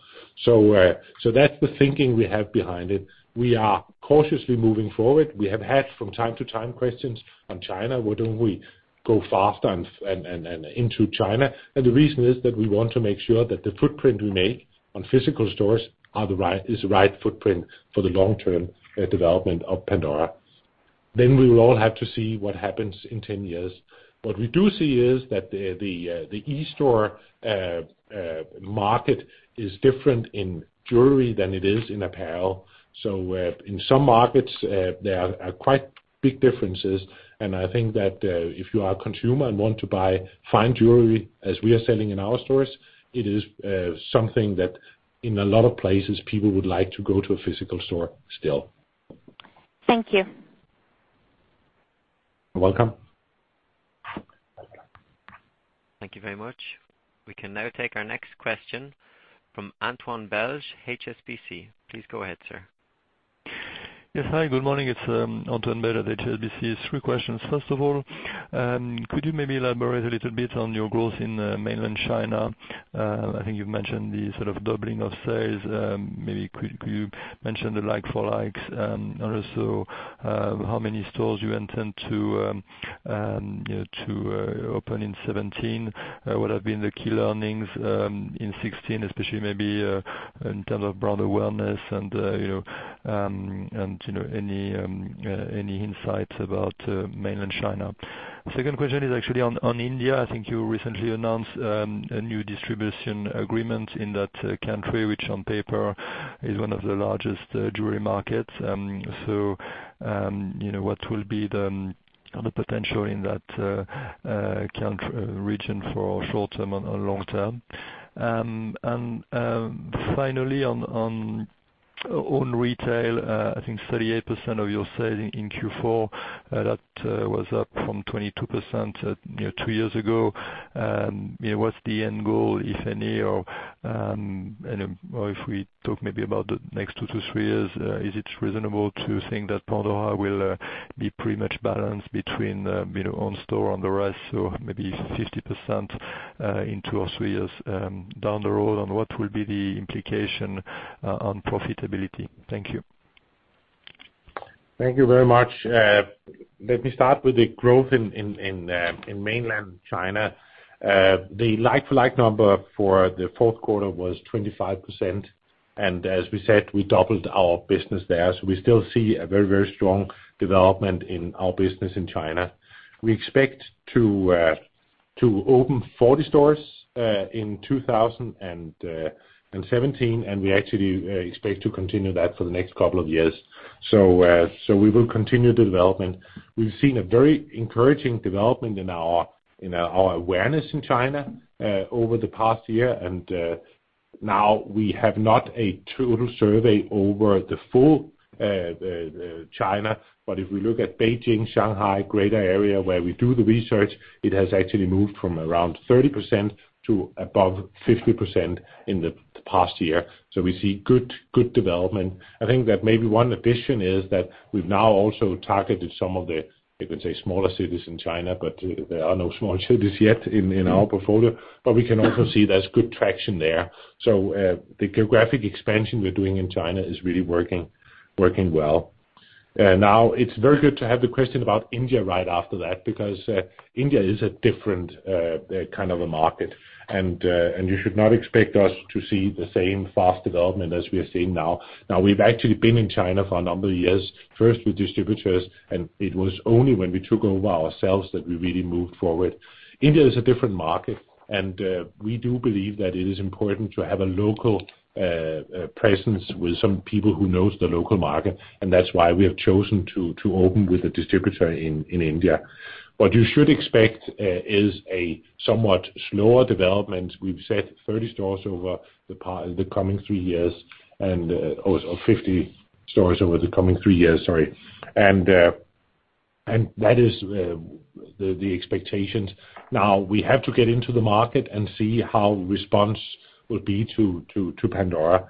So, so that's the thinking we have behind it. We are-... Cautiously moving forward. We have had from time to time questions on China, why don't we go faster into China? And the reason is that we want to make sure that the footprint we make on physical stores are the right, is the right footprint for the long-term development of Pandora. Then we will all have to see what happens in 10 years. What we do see is that the e-store market is different in jewelry than it is in apparel. So, in some markets, there are quite big differences, and I think that, if you are a consumer and want to buy fine jewelry, as we are selling in our stores, it is, something that in a lot of places, people would like to go to a physical store still. Thank you. You're welcome. Thank you very much. We can now take our next question from Antoine Belge, HSBC. Please go ahead, sir. Yes. Hi, good morning, it's Antoine Belge at HSBC. Three questions. First of all, could you maybe elaborate a little bit on your growth in mainland China? I think you've mentioned the sort of doubling of sales. Maybe could you mention the like-for-like, and also how many stores you intend to, you know, to open in 2017? What have been the key learnings in 2016, especially maybe in terms of brand awareness and, you know, and any insights about mainland China? Second question is actually on India. I think you recently announced a new distribution agreement in that country, which on paper is one of the largest jewelry markets. So, you know, what will be the potential in that country, region for short term and long term? And finally, on own retail, I think 38% of your sales in Q4, that was up from 22%, you know, two years ago. You know, what's the end goal, if any, or, and, or if we talk maybe about the next two to three years, is it reasonable to think that Pandora will be pretty much balanced between, you know, own store and the rest, so maybe 50% in two or three years down the road? And what will be the implication on profitability? Thank you. Thank you very much. Let me start with the growth in mainland China. The like-for-like number for the fourth quarter was 25%, and as we said, we doubled our business there. So we still see a very, very strong development in our business in China. We expect to open 40 stores in 2017, and we actually expect to continue that for the next couple of years. So we will continue the development. We've seen a very encouraging development in our awareness in China over the past year, and now we have not a total survey over the full China. But if we look at Beijing, Shanghai, greater area where we do the research, it has actually moved from around 30% to above 50% in the past year. So we see good development. I think that maybe one addition is that we've now also targeted some of the, you could say, smaller cities in China, but there are no small cities yet in our portfolio. But we can also see there's good traction there. So the geographic expansion we're doing in China is really working well. Now it's very good to have the question about India right after that, because India is a different kind of a market. And you should not expect us to see the same fast development as we are seeing now. Now, we've actually been in China for a number of years, first with distributors, and it was only when we took over ourselves that we really moved forward. India is a different market, and we do believe that it is important to have a local presence with some people who knows the local market, and that's why we have chosen to open with a distributor in India. What you should expect is a somewhat slower development. We've said 30 stores over the coming three years, and or 50 stores over the coming three years, sorry. And that is the expectations. Now, we have to get into the market and see how response will be to Pandora.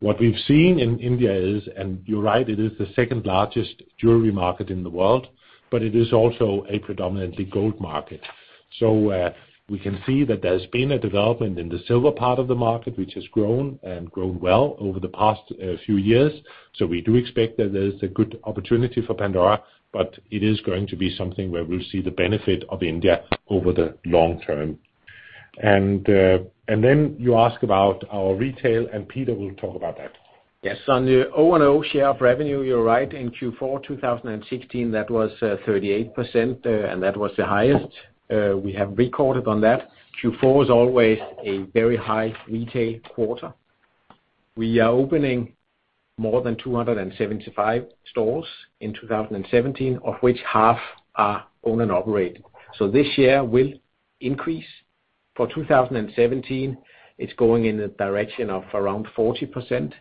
What we've seen in India is, and you're right, it is the second largest jewelry market in the world, but it is also a predominantly gold market. So, we can see that there's been a development in the silver part of the market, which has grown and grown well over the past, few years. So we do expect that there's a good opportunity for Pandora, but it is going to be something where we'll see the benefit of India over the long term. And, and then you ask about our retail, and Peter will talk about that. Yes, on the O&O share of revenue, you're right. In Q4, 2016, that was 38%, and that was the highest we have recorded on that. Q4 is always a very high retail quarter. We are opening more than 275 stores in 2017, of which half are own and operate. So this year will increase. For 2017, it's going in the direction of around 40%,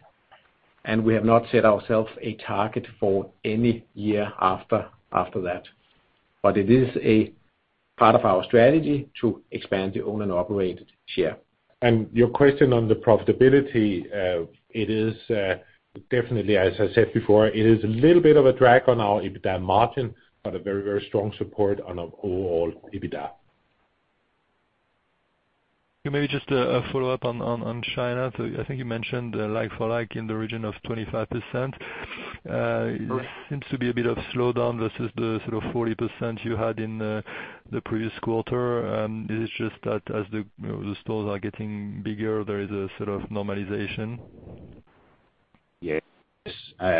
and we have not set ourselves a target for any year after that. But it is a part of our strategy to expand the own and operate share. Your question on the profitability, it is definitely, as I said before, it is a little bit of a drag on our EBITDA margin, but a very, very strong support on our overall EBITDA. ... Maybe just a follow-up on China. So I think you mentioned like-for-like in the region of 25%. Seems to be a bit of slowdown versus the sort of 40% you had in the previous quarter. Is it just that as the you know stores are getting bigger, there is a sort of normalization? Yes.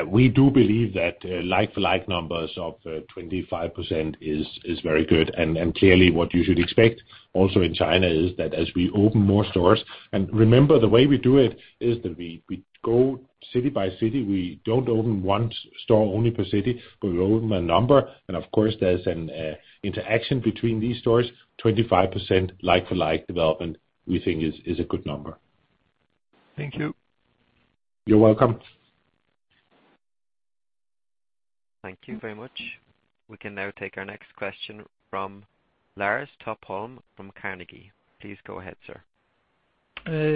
We do believe that like-for-like numbers of 25% is very good. And clearly, what you should expect also in China is that as we open more stores, and remember, the way we do it is that we go city by city. We don't open one store only per city, but we open a number. And of course, there's an interaction between these stores. 25% like-for-like development, we think is a good number. Thank you. You're welcome. Thank you very much. We can now take our next question from Lars Topholm from Carnegie. Please go ahead, sir.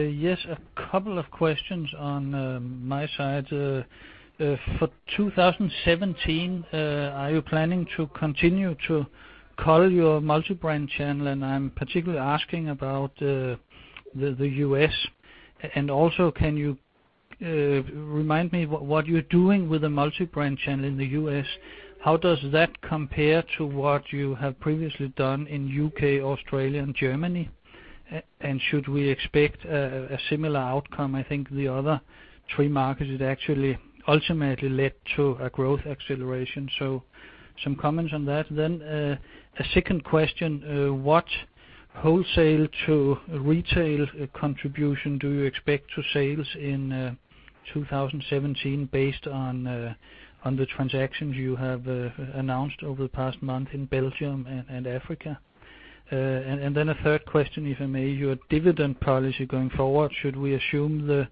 Yes, a couple of questions on my side. For 2017, are you planning to continue to cull your multi-brand channel? And I'm particularly asking about the US. And also, can you remind me what you're doing with the multi-brand channel in the US? How does that compare to what you have previously done in U.K., Australia, and Germany? And should we expect a similar outcome? I think the other three markets, it actually ultimately led to a growth acceleration. So some comments on that. Then, a second question: What wholesale to retail contribution do you expect to sales in 2017, based on the transactions you have announced over the past month in Belgium and Africa? And then a third question, if I may: Your dividend policy going forward, should we assume the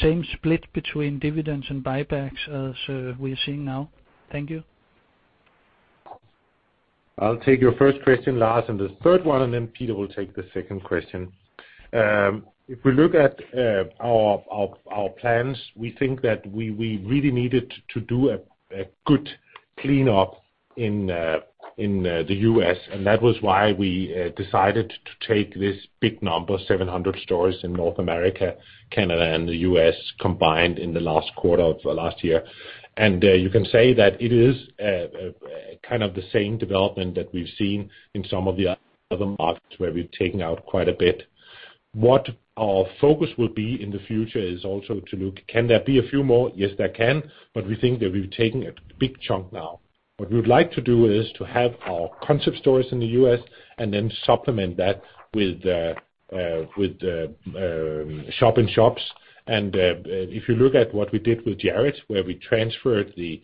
same split between dividends and buybacks as we're seeing now? Thank you. I'll take your first question, Lars, and the third one, and then Peter will take the second question. If we look at our plans, we think that we really needed to do a good cleanup in the US, and that was why we decided to take this big number, 700 stores in North America, Canada, and the U.S. combined in the last quarter of last year. You can say that it is kind of the same development that we've seen in some of the other markets, where we've taken out quite a bit. What our focus will be in the future is also to look, can there be a few more? Yes, there can, but we think that we've taken a big chunk now. What we would like to do is to have our concept stores in the U.S. and then supplement that with shop-in-shops. And if you look at what we did with Jared, where we transferred the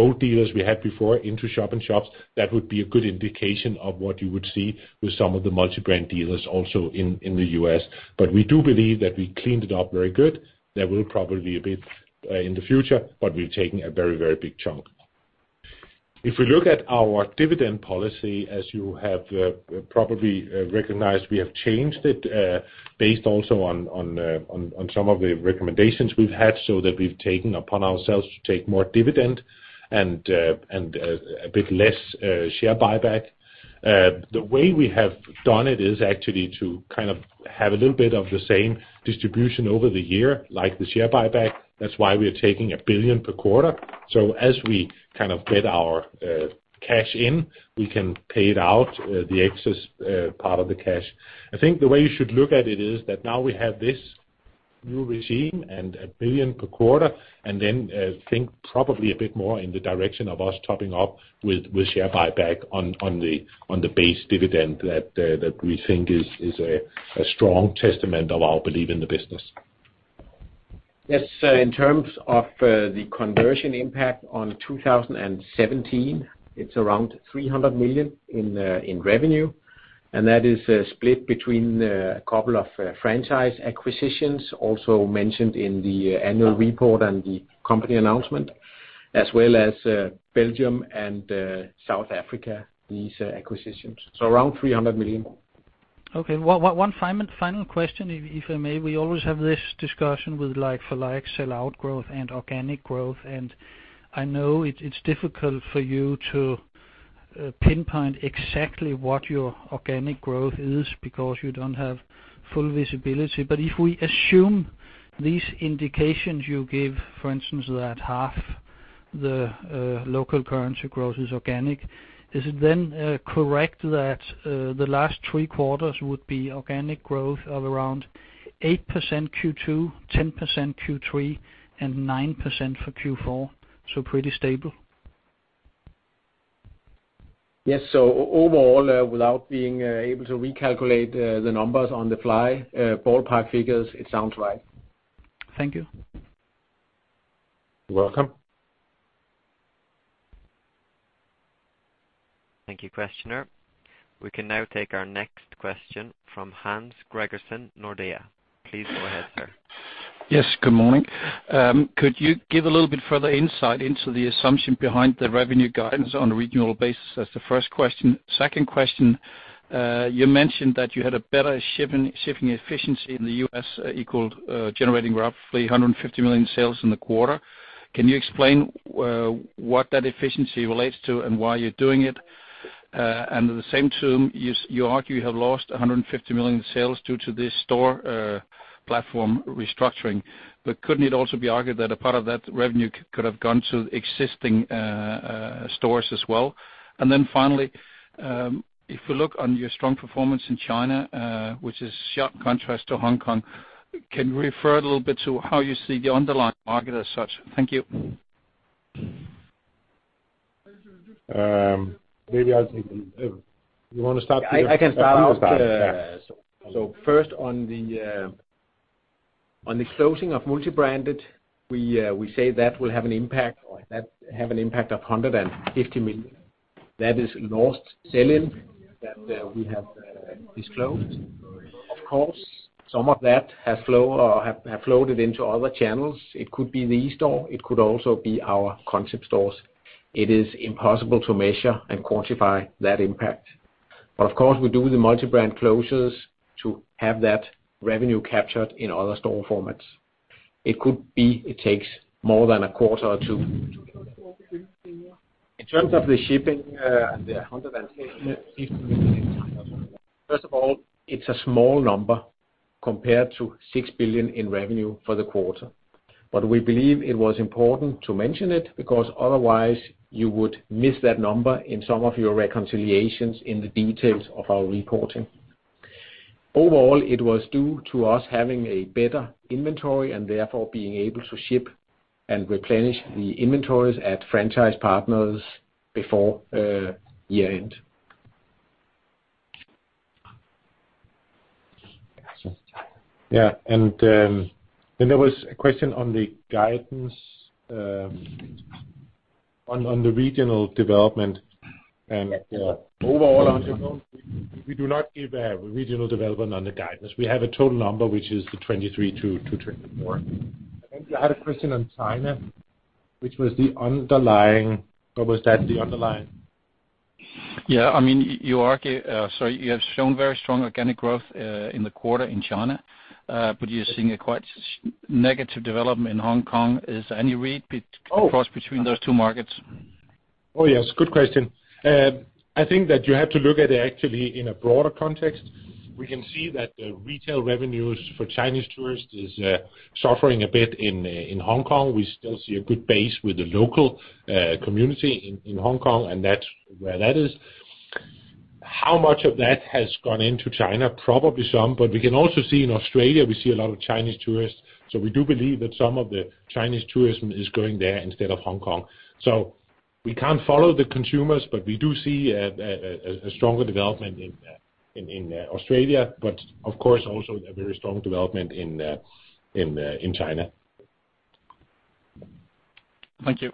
old dealers we had before into shop-in-shops, that would be a good indication of what you would see with some of the multi-brand dealers also in the U.S. But we do believe that we cleaned it up very good. There will probably a bit in the future, but we've taken a very, very big chunk. If we look at our dividend policy, as you have probably recognized, we have changed it based also on some of the recommendations we've had, so that we've taken upon ourselves to take more dividend and a bit less share buyback. The way we have done it is actually to kind of have a little bit of the same distribution over the year, like the share buyback. That's why we are taking 1 billion per quarter. So as we kind of get our cash in, we can pay it out the excess part of the cash. I think the way you should look at it is that now we have this new regime and 1 billion per quarter, and then think probably a bit more in the direction of us topping up with share buyback on the base dividend that we think is a strong testament of our belief in the business. Yes, so in terms of the conversion impact on 2017, it's around 300 million in revenue, and that is split between a couple of franchise acquisitions, also mentioned in the annual report and the company announcement, as well as Belgium and South Africa, these acquisitions, so around 300 million. Okay. One final question, if I may. We always have this discussion with like-for-like sell-out growth and organic growth, and I know it's difficult for you to pinpoint exactly what your organic growth is, because you don't have full visibility. But if we assume these indications you give, for instance, that half the local currency growth is organic, is it then correct that the last three quarters would be organic growth of around 8% Q2, 10% Q3, and 9% for Q4? So pretty stable. Yes. So overall, without being able to recalculate the numbers on the fly, ballpark figures, it sounds right. Thank you. You're welcome. Thank you, questioner. We can now take our next question from Hans Gregersen, Nordea. Please go ahead, sir. Yes, good morning. Could you give a little bit further insight into the assumption behind the revenue guidance on a regional basis? That's the first question. Second question, you mentioned that you had a better shipping efficiency in the U.S., generating roughly 150 million sales in the quarter. Can you explain what that efficiency relates to and why you're doing it?... and at the same term, you argue you have lost 150 million in sales due to this store platform restructuring. But couldn't it also be argued that a part of that revenue could have gone to existing stores as well? And then finally, if we look on your strong performance in China, which is sharp contrast to Hong Kong, can you refer a little bit to how you see the underlying market as such? Thank you. Maybe I'll take... You wanna start, Peter? I can start. You start, yeah. So first, on the closing of multi-branded, we say that will have an impact, or that have an impact of 150 million. That is lost sell-in that we have disclosed. Of course, some of that has flow or have flowed into other channels. It could be the eSTORE, it could also be our concept stores. It is impossible to measure and quantify that impact. But of course, we do the multi-brand closures to have that revenue captured in other store formats. It could be it takes more than a quarter or two. In terms of the shipping, the 150 million, first of all, it's a small number compared to 6 billion in revenue for the quarter. But we believe it was important to mention it, because otherwise you would miss that number in some of your reconciliations in the details of our reporting. Overall, it was due to us having a better inventory, and therefore being able to ship and replenish the inventories at franchise partners before year-end. Yeah, and then there was a question on the guidance on the regional development. And, overall, we do not give regional development on the guidance. We have a total number, which is the 23-24. I think you had a question on China, which was the underlying... What was that, the underlying? Yeah, I mean, you argue, so you have shown very strong organic growth in the quarter in China, but you're seeing a quite negative development in Hong Kong. Is there any read be- Oh! -across between those two markets? Oh, yes, good question. I think that you have to look at it actually in a broader context. We can see that the retail revenues for Chinese tourists is suffering a bit in Hong Kong. We still see a good base with the local community in Hong Kong, and that's where that is. How much of that has gone into China? Probably some, but we can also see in Australia, we see a lot of Chinese tourists, so we do believe that some of the Chinese tourism is going there instead of Hong Kong. So we can't follow the consumers, but we do see a stronger development in Australia, but of course, also a very strong development in China. Thank you.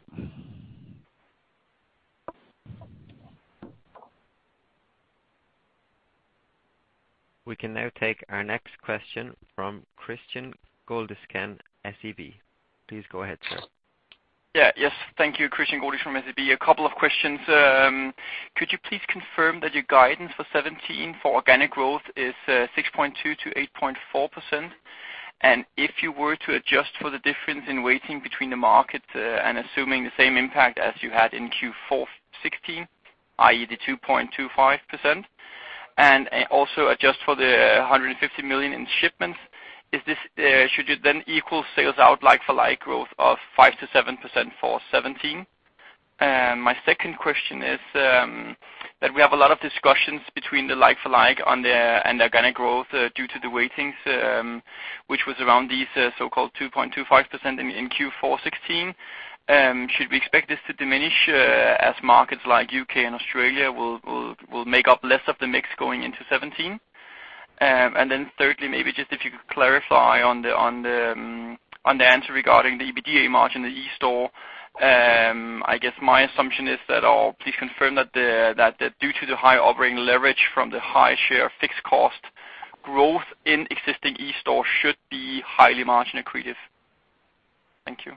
We can now take our next question from Kristian Godiksen, SEB. Please go ahead, sir. Yeah, yes. Thank you, Kristian Godiksen from SEB. A couple of questions. Could you please confirm that your guidance for 2017 for organic growth is 6.2%-8.4%? And if you were to adjust for the difference in weighting between the markets, and assuming the same impact as you had in Q4 2016, i.e., the 2.25%, and also adjust for the 150 million in shipments, is this should you then equal sales-out like-for-like growth of 5%-7% for 2017? And my second question is that we have a lot of discussions between the like-for-like on the and organic growth due to the weightings, which was around these so-called 2.25% in Q4 2016. Should we expect this to diminish as markets like U.K. and Australia will make up less of the mix going into 2017? And then thirdly, maybe just if you could clarify on the answer regarding the EBITDA margin, the eSTORE. I guess my assumption is that I'll please confirm that due to the high operating leverage from the high share of fixed cost, growth in existing eSTORE should be highly margin accretive. Thank you.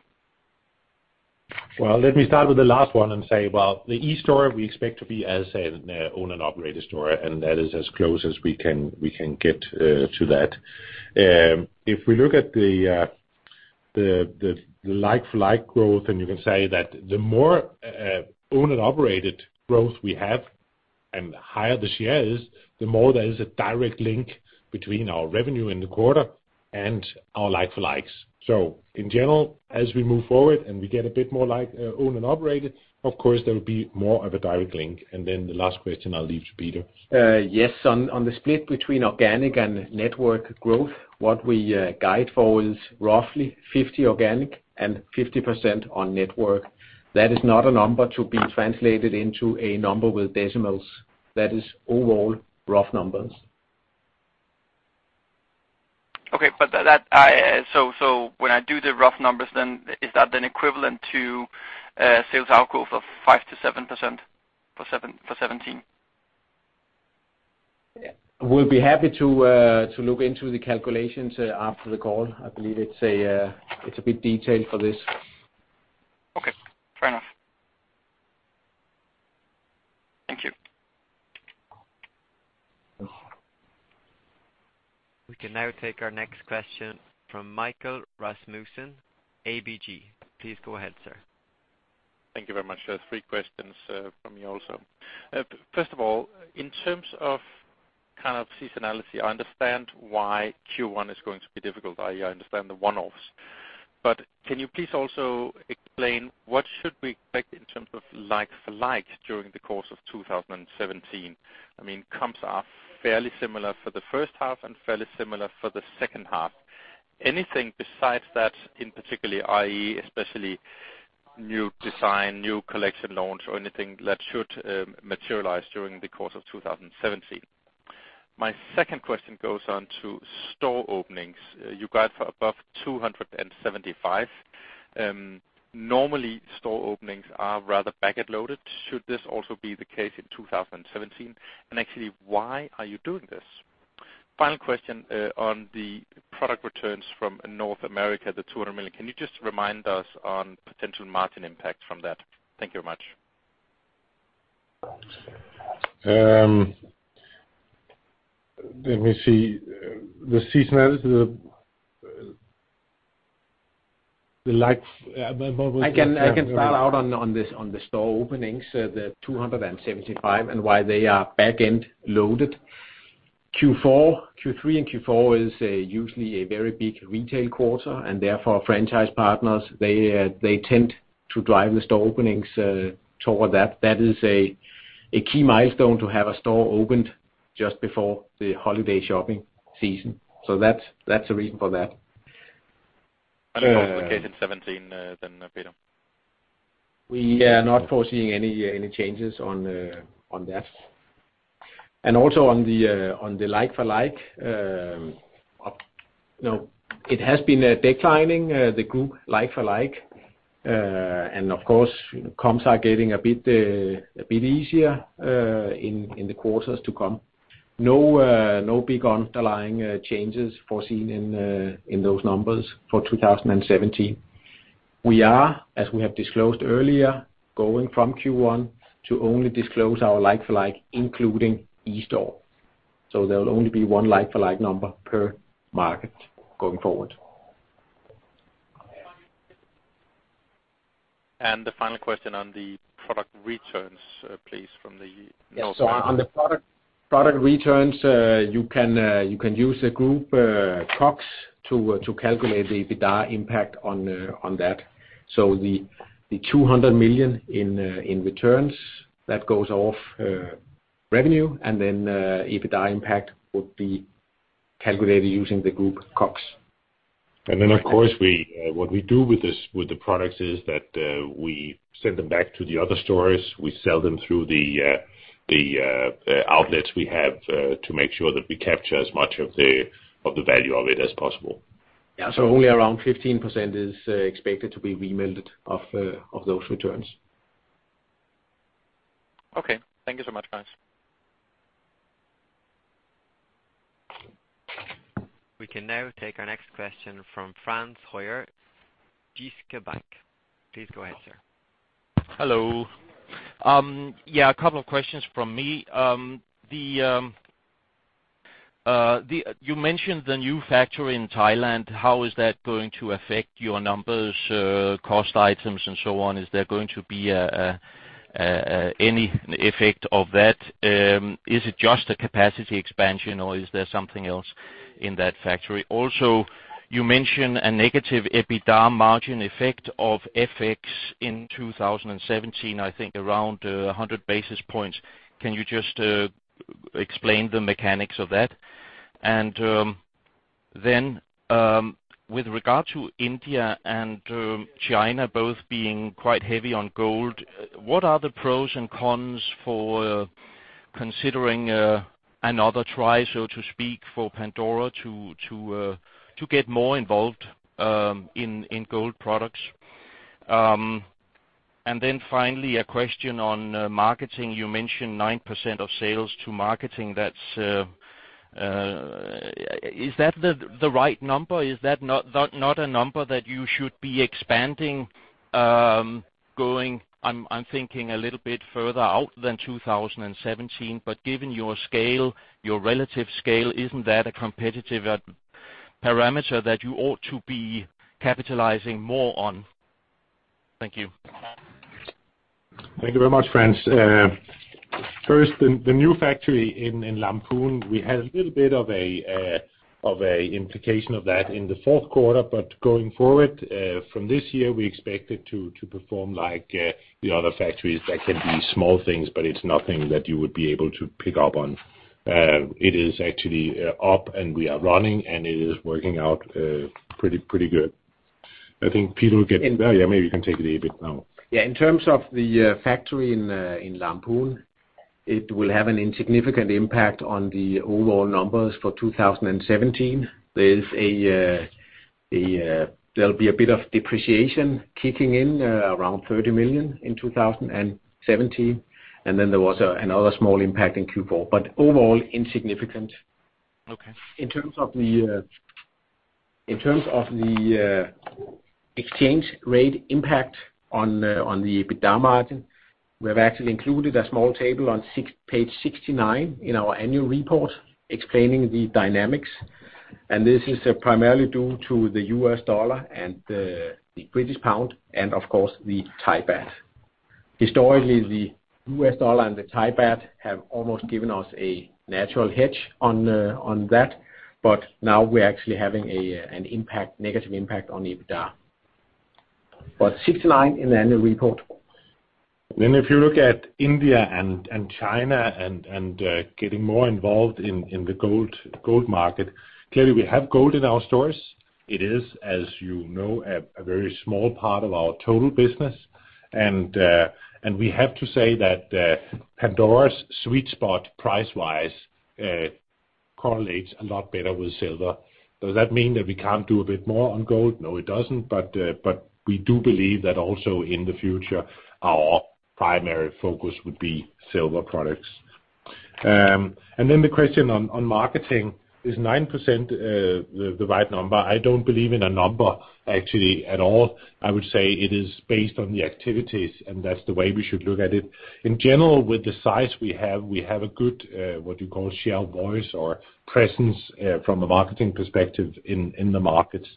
Well, let me start with the last one and say, well, the eSTORE we expect to be as an owned and operated store, and that is as close as we can get to that. If we look at the like-for-like growth, and you can say that the more owned and operated growth we have, and the higher the share is, the more there is a direct link between our revenue in the quarter and our like-for-likes. So in general, as we move forward and we get a bit more like owned and operated, of course, there will be more of a direct link. And then the last question I'll leave to Peter. Yes, on the split between organic and network growth, what we guide for is roughly 50 organic and 50% on network. That is not a number to be translated into a number with decimals. That is overall rough numbers. Okay, but that, I... So, so when I do the rough numbers, then, is that then equivalent to sales-out growth of 5%-7% for 2017? We'll be happy to look into the calculations after the call. I believe it's a bit detailed for this. Okay, fair enough. Thank you. ...We can now take our next question from Michael Rasmussen, ABG. Please go ahead, sir. Thank you very much. Three questions from me also. First of all, in terms of kind of seasonality, I understand why Q1 is going to be difficult. I understand the one-offs. But can you please also explain what should we expect in terms of like-for-like during the course of 2017? I mean, comps are fairly similar for the first half and fairly similar for the second half. Anything besides that, in particularly, i.e., especially new design, new collection launch, or anything that should materialize during the course of 2017? My second question goes on to store openings. You guide for above 275. Normally, store openings are rather back-end loaded. Should this also be the case in 2017? And actually, why are you doing this? Final question, on the product returns from North America, the 200 million. Can you just remind us on potential margin impact from that? Thank you very much. Let me see. The seasonality, the like, what was- I can start out on this, on the store openings, the 275, and why they are back-end loaded. Q4, Q3 and Q4 is usually a very big retail quarter, and therefore, franchise partners, they tend to drive the store openings toward that. That is a key milestone to have a store opened just before the holiday shopping season. So that's the reason for that. Also the case in 2017, then, Peter? We are not foreseeing any, any changes on, on that. And also on the, on the like-for-like, you know, it has been, declining, the group like-for-like. And of course, comps are getting a bit, a bit easier, in, in the quarters to come. No, no big underlying, changes foreseen in, in those numbers for 2017. We are, as we have disclosed earlier, going from Q1 to only disclose our like-for-like, including eSTORE. So there will only be one like-for-like number per market going forward. And the final question on the product returns, please, from the North- Yes, so on the product, product returns, you can, you can use the group COGS to, to calculate the EBITDA impact on, on that. So the, the 200 million in, in returns, that goes off, revenue, and then, EBITDA impact would be calculated using the group COGS. And then, of course, we what we do with this, with the products is that we send them back to the other stores. We sell them through the outlets we have to make sure that we capture as much of the value of it as possible. Yeah, so only around 15% is expected to be remitted of those returns. Okay. Thank you so much, guys. We can now take our next question from Frans Høyer, Jyske Bank. Please go ahead, sir. Hello. Yeah, a couple of questions from me. You mentioned the new factory in Thailand. How is that going to affect your numbers, cost items, and so on? Is there going to be any effect of that? Is it just a capacity expansion, or is there something else in that factory? Also, you mentioned a negative EBITDA margin effect of FX in 2017, I think around 100 basis points. Can you just explain the mechanics of that? And then, with regard to India and China both being quite heavy on gold, what are the pros and cons for considering another try, so to speak, for Pandora to get more involved in gold products? And then finally, a question on marketing. You mentioned 9% of sales to marketing. That's. Is that the right number? Is that not a number that you should be expanding, going, I'm thinking a little bit further out than 2017, but given your scale, your relative scale, isn't that a competitive parameter that you ought to be capitalizing more on? Thank you. Thank you very much, Frans. First, the new factory in Lamphun, we had a little bit of an implementation of that in the fourth quarter, but going forward, from this year, we expect it to perform like the other factories. That can be small things, but it's nothing that you would be able to pick up on. It is actually up, and we are running, and it is working out pretty, pretty good. I think Peter will get... Oh, yeah, maybe you can take it a bit now. Yeah, in terms of the factory in Lamphun, it will have an insignificant impact on the overall numbers for 2017. There'll be a bit of depreciation kicking in around 30 million in 2017, and then there was another small impact in Q4, but overall, insignificant. Okay. In terms of the exchange rate impact on the EBITDA margin, we have actually included a small table on page 69 in our annual report explaining the dynamics, and this is primarily due to the U.S. dollar and the British pound, and of course, the Thai baht. Historically, the U.S dollar and the Thai baht have almost given us a natural hedge on that, but now we're actually having an impact, negative impact on EBITDA. But 69 in the annual report. Then if you look at India and China and getting more involved in the gold market, clearly we have gold in our stores. It is, as you know, a very small part of our total business, and we have to say that Pandora's sweet spot price-wise correlates a lot better with silver. Does that mean that we can't do a bit more on gold? No, it doesn't. But we do believe that also in the future, our primary focus would be silver products. And then the question on marketing, is 9% the right number? I don't believe in a number actually at all. I would say it is based on the activities, and that's the way we should look at it. In general, with the size we have, we have a good, what you call share of voice or presence, from a marketing perspective in, in the markets.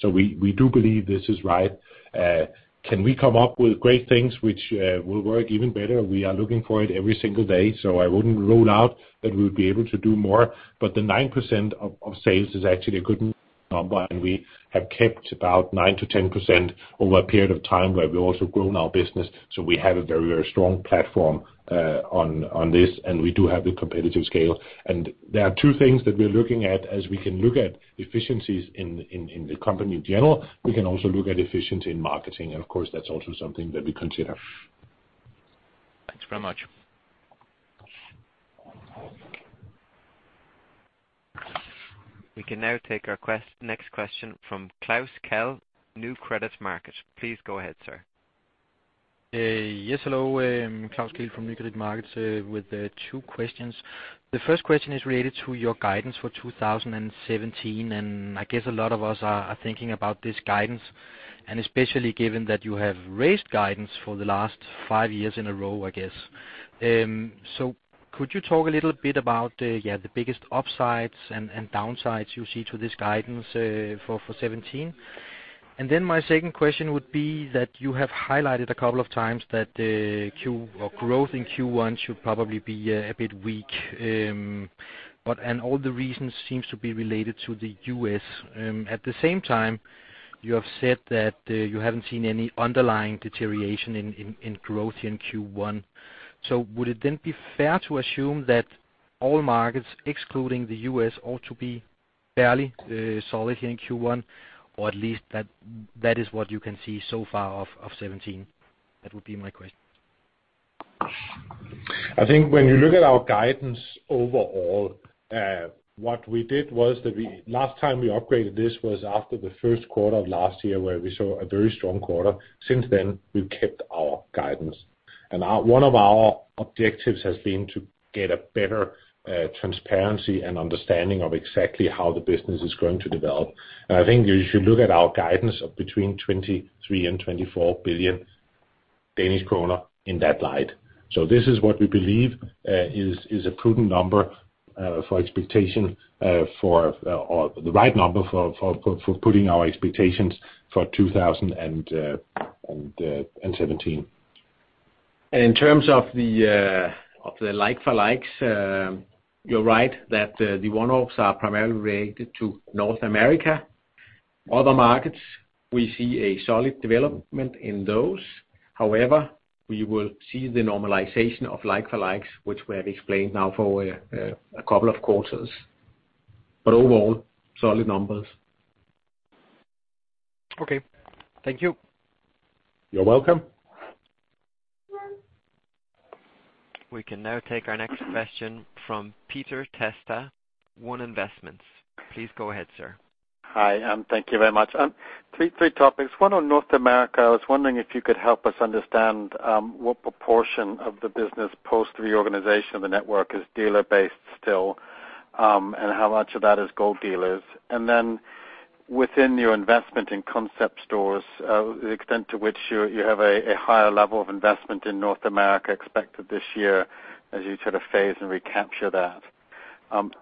So we, we do believe this is right. Can we come up with great things which, will work even better? We are looking for it every single day, so I wouldn't rule out that we would be able to do more, but the 9% of, of sales is actually a good number, and we have kept about 9%-10% over a period of time where we've also grown our business, so we have a very, very strong platform, on, on this, and we do have the competitive scale. There are two things that we're looking at as we can look at efficiencies in the company in general, we can also look at efficiency in marketing, and of course, that's also something that we consider. Thanks very much. We can now take our next question from Klaus Kehl, Nykredit Markets. Please go ahead, sir. Yes, hello, Klaus Kehl from Nykredit Markets, with two questions. The first question is related to your guidance for 2017, and I guess a lot of us are thinking about this guidance, and especially given that you have raised guidance for the last five years in a row, I guess. So could you talk a little bit about the biggest upsides and downsides you see to this guidance for 2017? And then my second question would be that you have highlighted a couple of times that Q4 growth in Q1 should probably be a bit weak, but all the reasons seems to be related to the U.S. At the same time, you have said that you haven't seen any underlying deterioration in growth in Q1. So would it then be fair to assume that all markets, excluding the U.S., ought to be fairly solid in Q1, or at least that is what you can see so far of 2017? That would be my question. I think when you look at our guidance overall, what we did was that we last time we upgraded this was after the first quarter of last year, where we saw a very strong quarter. Since then, we've kept our guidance. One of our objectives has been to get a better transparency and understanding of exactly how the business is going to develop. I think you should look at our guidance of between 23 billion and 24 billion Danish kroner in that light. This is what we believe is a prudent number for expectation or the right number for putting our expectations for 2017. In terms of the like-for-likes, you're right that the one-offs are primarily related to North America. Other markets, we see a solid development in those. However, we will see the normalization of like-for-likes, which we have explained now for a couple of quarters. Overall, solid numbers. Okay. Thank you. You're welcome. We can now take our next question from Peter Testa, One Investments. Please go ahead, sir. Hi, and thank you very much. Three topics. One on North America, I was wondering if you could help us understand what proportion of the business post reorganization of the network is dealer-based still, and how much of that is Gold dealers? And then within your investment in concept stores, the extent to which you have a higher level of investment in North America expected this year as you sort of phase and recapture that.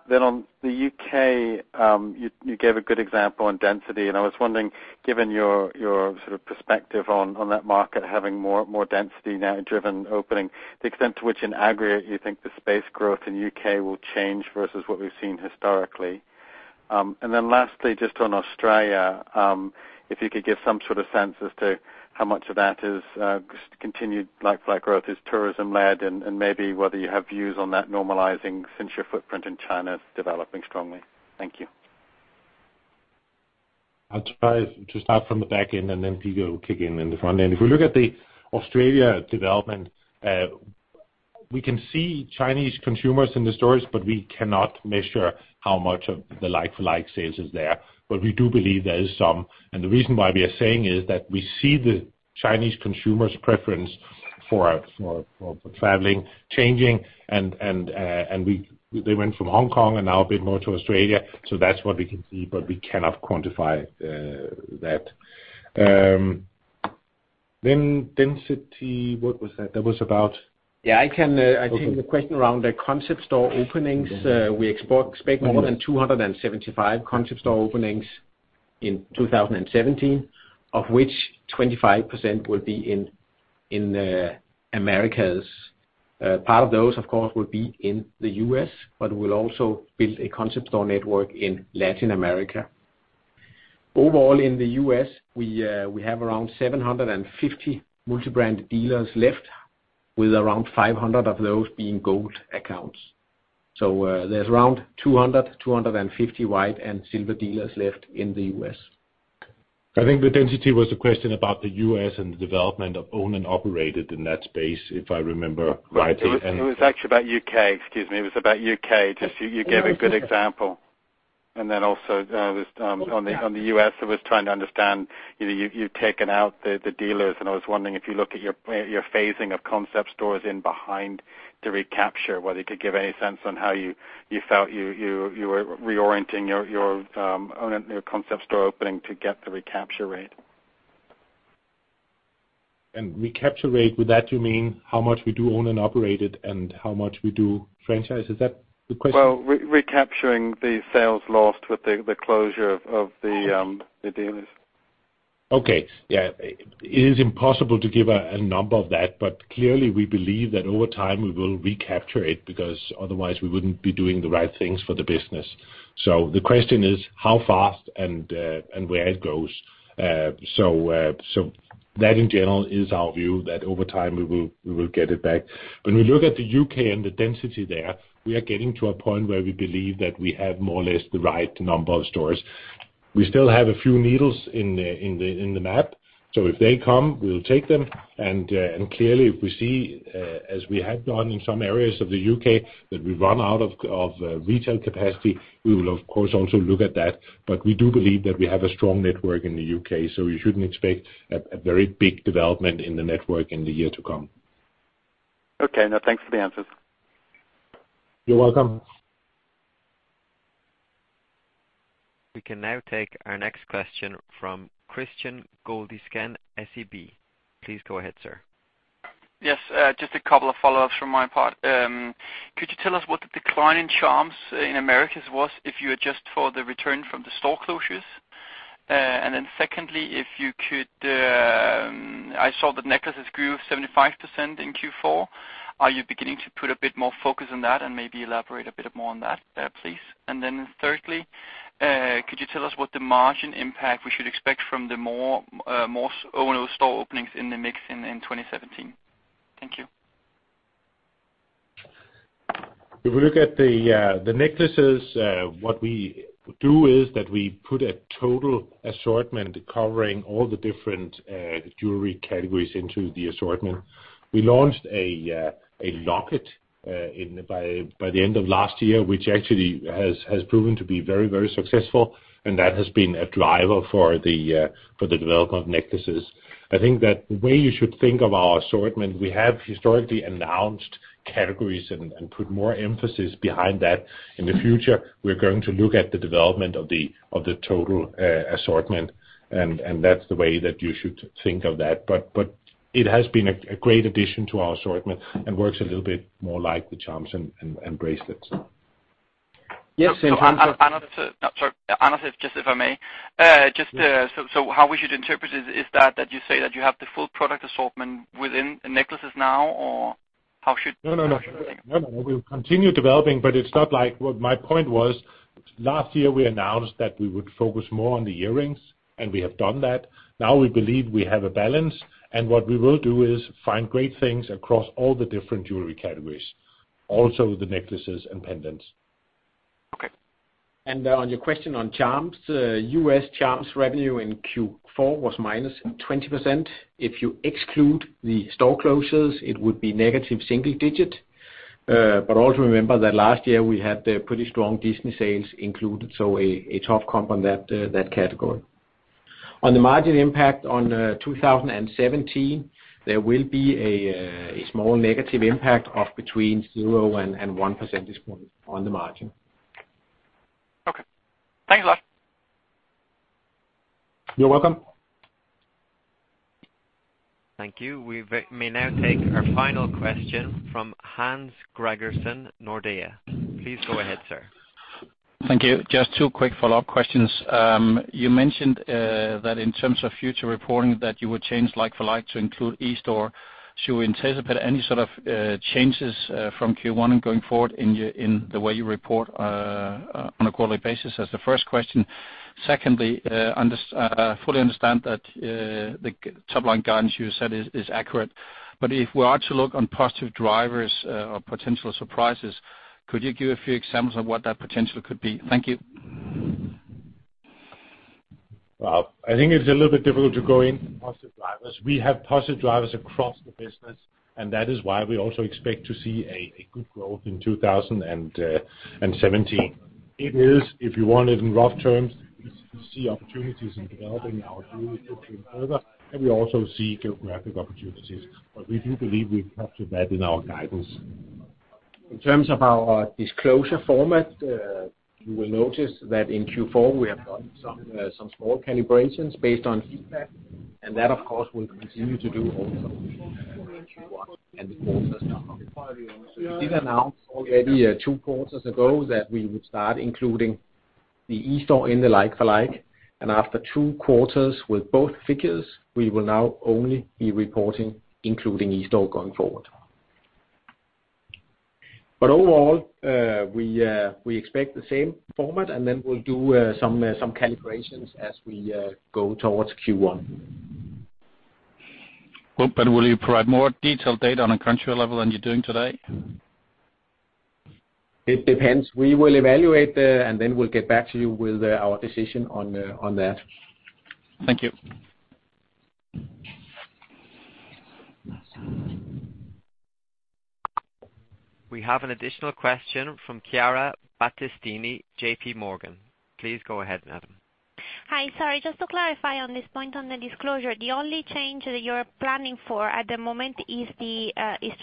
Then on the U.K., you gave a good example on density, and I was wondering, given your sort of perspective on that market having more density now driven opening, the extent to which in aggregate you think the space growth in U.K. will change versus what we've seen historically. Then lastly, just on Australia, if you could give some sort of sense as to how much of that continued like-for-like growth is tourism-led, and maybe whether you have views on that normalizing since your footprint in China is developing strongly. Thank you. I'll try to start from the back end, and then Peter will kick in in the front end. If we look at the Australia development, we can see Chinese consumers in the stores, but we cannot measure how much of the like-for-like sales is there, but we do believe there is some. And the reason why we are saying is that we see the Chinese consumers' preference for traveling changing, and they went from Hong Kong and now a bit more to Australia, so that's what we can see, but we cannot quantify that. Then density, what was that? That was about- Yeah, I can, I think the question around the Concept Store openings. We expect more than 275 Concept Store openings in 2017, of which 25% will be in Americas. Part of those, of course, will be in the U.S., but we'll also build a Concept Store network in Latin America. Overall, in the U.S., we have around 750 multi-brand dealers left, with around 500 of those being Gold accounts. So, there's around 200-250 White and Silver dealers left in the U.S. I think the density was a question about the U.S. and the development of owned and operated in that space, if I remember right. It was actually about U.K., excuse me. It was about U.K. Just you gave a good example. And then also this on the U.S., I was trying to understand, you know, you've taken out the dealers, and I was wondering if you look at your phasing of concept stores in behind the recapture, whether you could give any sense on how you felt you were reorienting your concept store opening to get the recapture rate. Recapture rate, with that you mean how much we do own and operated and how much we do franchise? Is that the question? Well, recapturing the sales lost with the closure of the dealers. Okay. Yeah, it is impossible to give a number of that, but clearly, we believe that over time, we will recapture it, because otherwise we wouldn't be doing the right things for the business. So the question is how fast and and where it goes. So that in general is our view, that over time, we will get it back. When we look at the U.K. and the density there, we are getting to a point where we believe that we have more or less the right number of stores. We still have a few needles in the map, so if they come, we'll take them. Clearly, if we see, as we have done in some areas of the U.K., that we run out of retail capacity, we will of course also look at that. But we do believe that we have a strong network in the U.K., so you shouldn't expect a very big development in the network in the year to come. Okay. Now, thanks for the answers. You're welcome. We can now take our next question from Kristian Godiksen, SEB. Please go ahead, sir. Yes, just a couple of follow-ups from my part. Could you tell us what the decline in charms in Americas was if you adjust for the return from the store closures? And then secondly, if you could... I saw that necklaces grew 75% in Q4. Are you beginning to put a bit more focus on that? And maybe elaborate a bit more on that, please. And then thirdly, could you tell us what the margin impact we should expect from the more, more O&O store openings in the mix in, in 2017? Thank you. If we look at the necklaces, what we do is that we put a total assortment covering all the different jewelry categories into the assortment. We launched a locket by the end of last year, which actually has proven to be very, very successful, and that has been a driver for the development of necklaces. I think that the way you should think of our assortment, we have historically announced categories and put more emphasis behind that. In the future, we're going to look at the development of the total assortment, and that's the way that you should think of that. But it has been a great addition to our assortment and works a little bit more like the charms and bracelets. Yes, and- So Anders, sorry, Anders, just if I may... Mm-hmm. So, how we should interpret it is that you say that you have the full product assortment within necklaces now, or how should- No, no, no. No, no, we'll continue developing, but it's not like... What my point was, last year, we announced that we would focus more on the earrings, and we have done that. Now we believe we have a balance, and what we will do is find great things across all the different jewelry categories, also the necklaces and pendants. Okay. On your question on charms, US charms revenue in Q4 was -20%. If you exclude the store closures, it would be negative single digit. But also remember that last year we had a pretty strong Disney sales included, so a tough comp on that category. On the margin impact on 2017, there will be a small negative impact of between 0 and 1 percentage point on the margin. Okay. Thanks a lot. You're welcome. Thank you. We may now take our final question from Hans Gregersen, Nordea. Please go ahead, sir. Thank you. Just two quick follow-up questions. You mentioned that in terms of future reporting, that you would change like for like to include e-store. Should we anticipate any sort of changes from Q1 and going forward in your, in the way you report on a quarterly basis? That's the first question. Secondly, I fully understand that the top line guidance you said is accurate, but if we are to look on positive drivers or potential surprises, could you give a few examples of what that potential could be? Thank you. Well, I think it's a little bit difficult to go into positive drivers. We have positive drivers across the business, and that is why we also expect to see a good growth in 2017. It is, if you want it in rough terms, we see opportunities in developing our jewelry footprint further, and we also see geographic opportunities, but we do believe we've captured that in our guidance. ...In terms of our disclosure format, you will notice that in Q4, we have done some small calibrations based on feedback, and that, of course, will continue to do also in Q1 and the quarters to come. We did announce already two quarters ago that we would start including the eSTORE in the like-for-like, and after two quarters with both figures, we will now only be reporting including eSTORE going forward. But overall, we expect the same format, and then we'll do some calibrations as we go towards Q1. Will you provide more detailed data on a country level than you're doing today? It depends. We will evaluate, and then we'll get back to you with our decision on that. Thank you. We have an additional question from Chiara Battistini, JPMorgan. Please go ahead, madam. Hi. Sorry, just to clarify on this point on the disclosure, the only change that you're planning for at the moment is to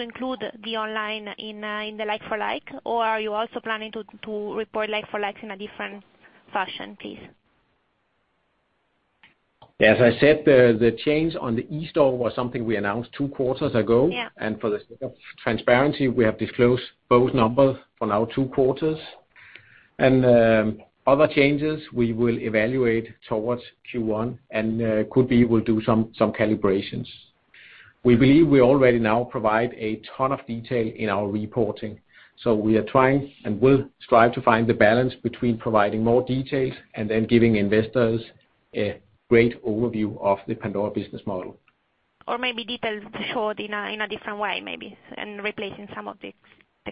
include the online in the like-for-like? Or are you also planning to report like-for-likes in a different fashion, please? As I said, the change on the eSTORE was something we announced two quarters ago. Yeah. For the sake of transparency, we have disclosed both numbers for now two quarters. Other changes, we will evaluate toward Q1, and could be we'll do some, some calibrations. We believe we already now provide a ton of detail in our reporting, so we are trying and will strive to find the balance between providing more details and then giving investors a great overview of the Pandora business model. Or maybe details showed in a different way, maybe, and replacing some of the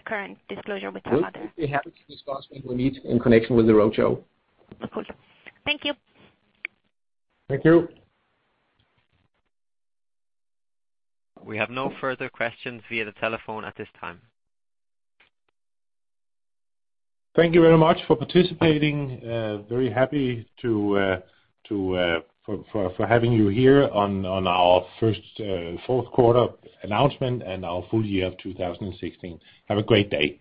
current disclosure with some other? We're happy to discuss when we meet in connection with the roadshow. Of course. Thank you. Thank you. We have no further questions via the telephone at this time. Thank you very much for participating. Very happy to have you here on our fourth quarter announcement and our full year of 2016. Have a great day.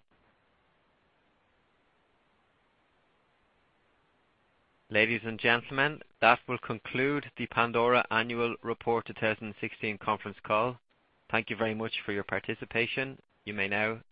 Ladies and gentlemen, that will conclude the Pandora Annual Report 2016 conference call. Thank you very much for your participation. You may now disconnect.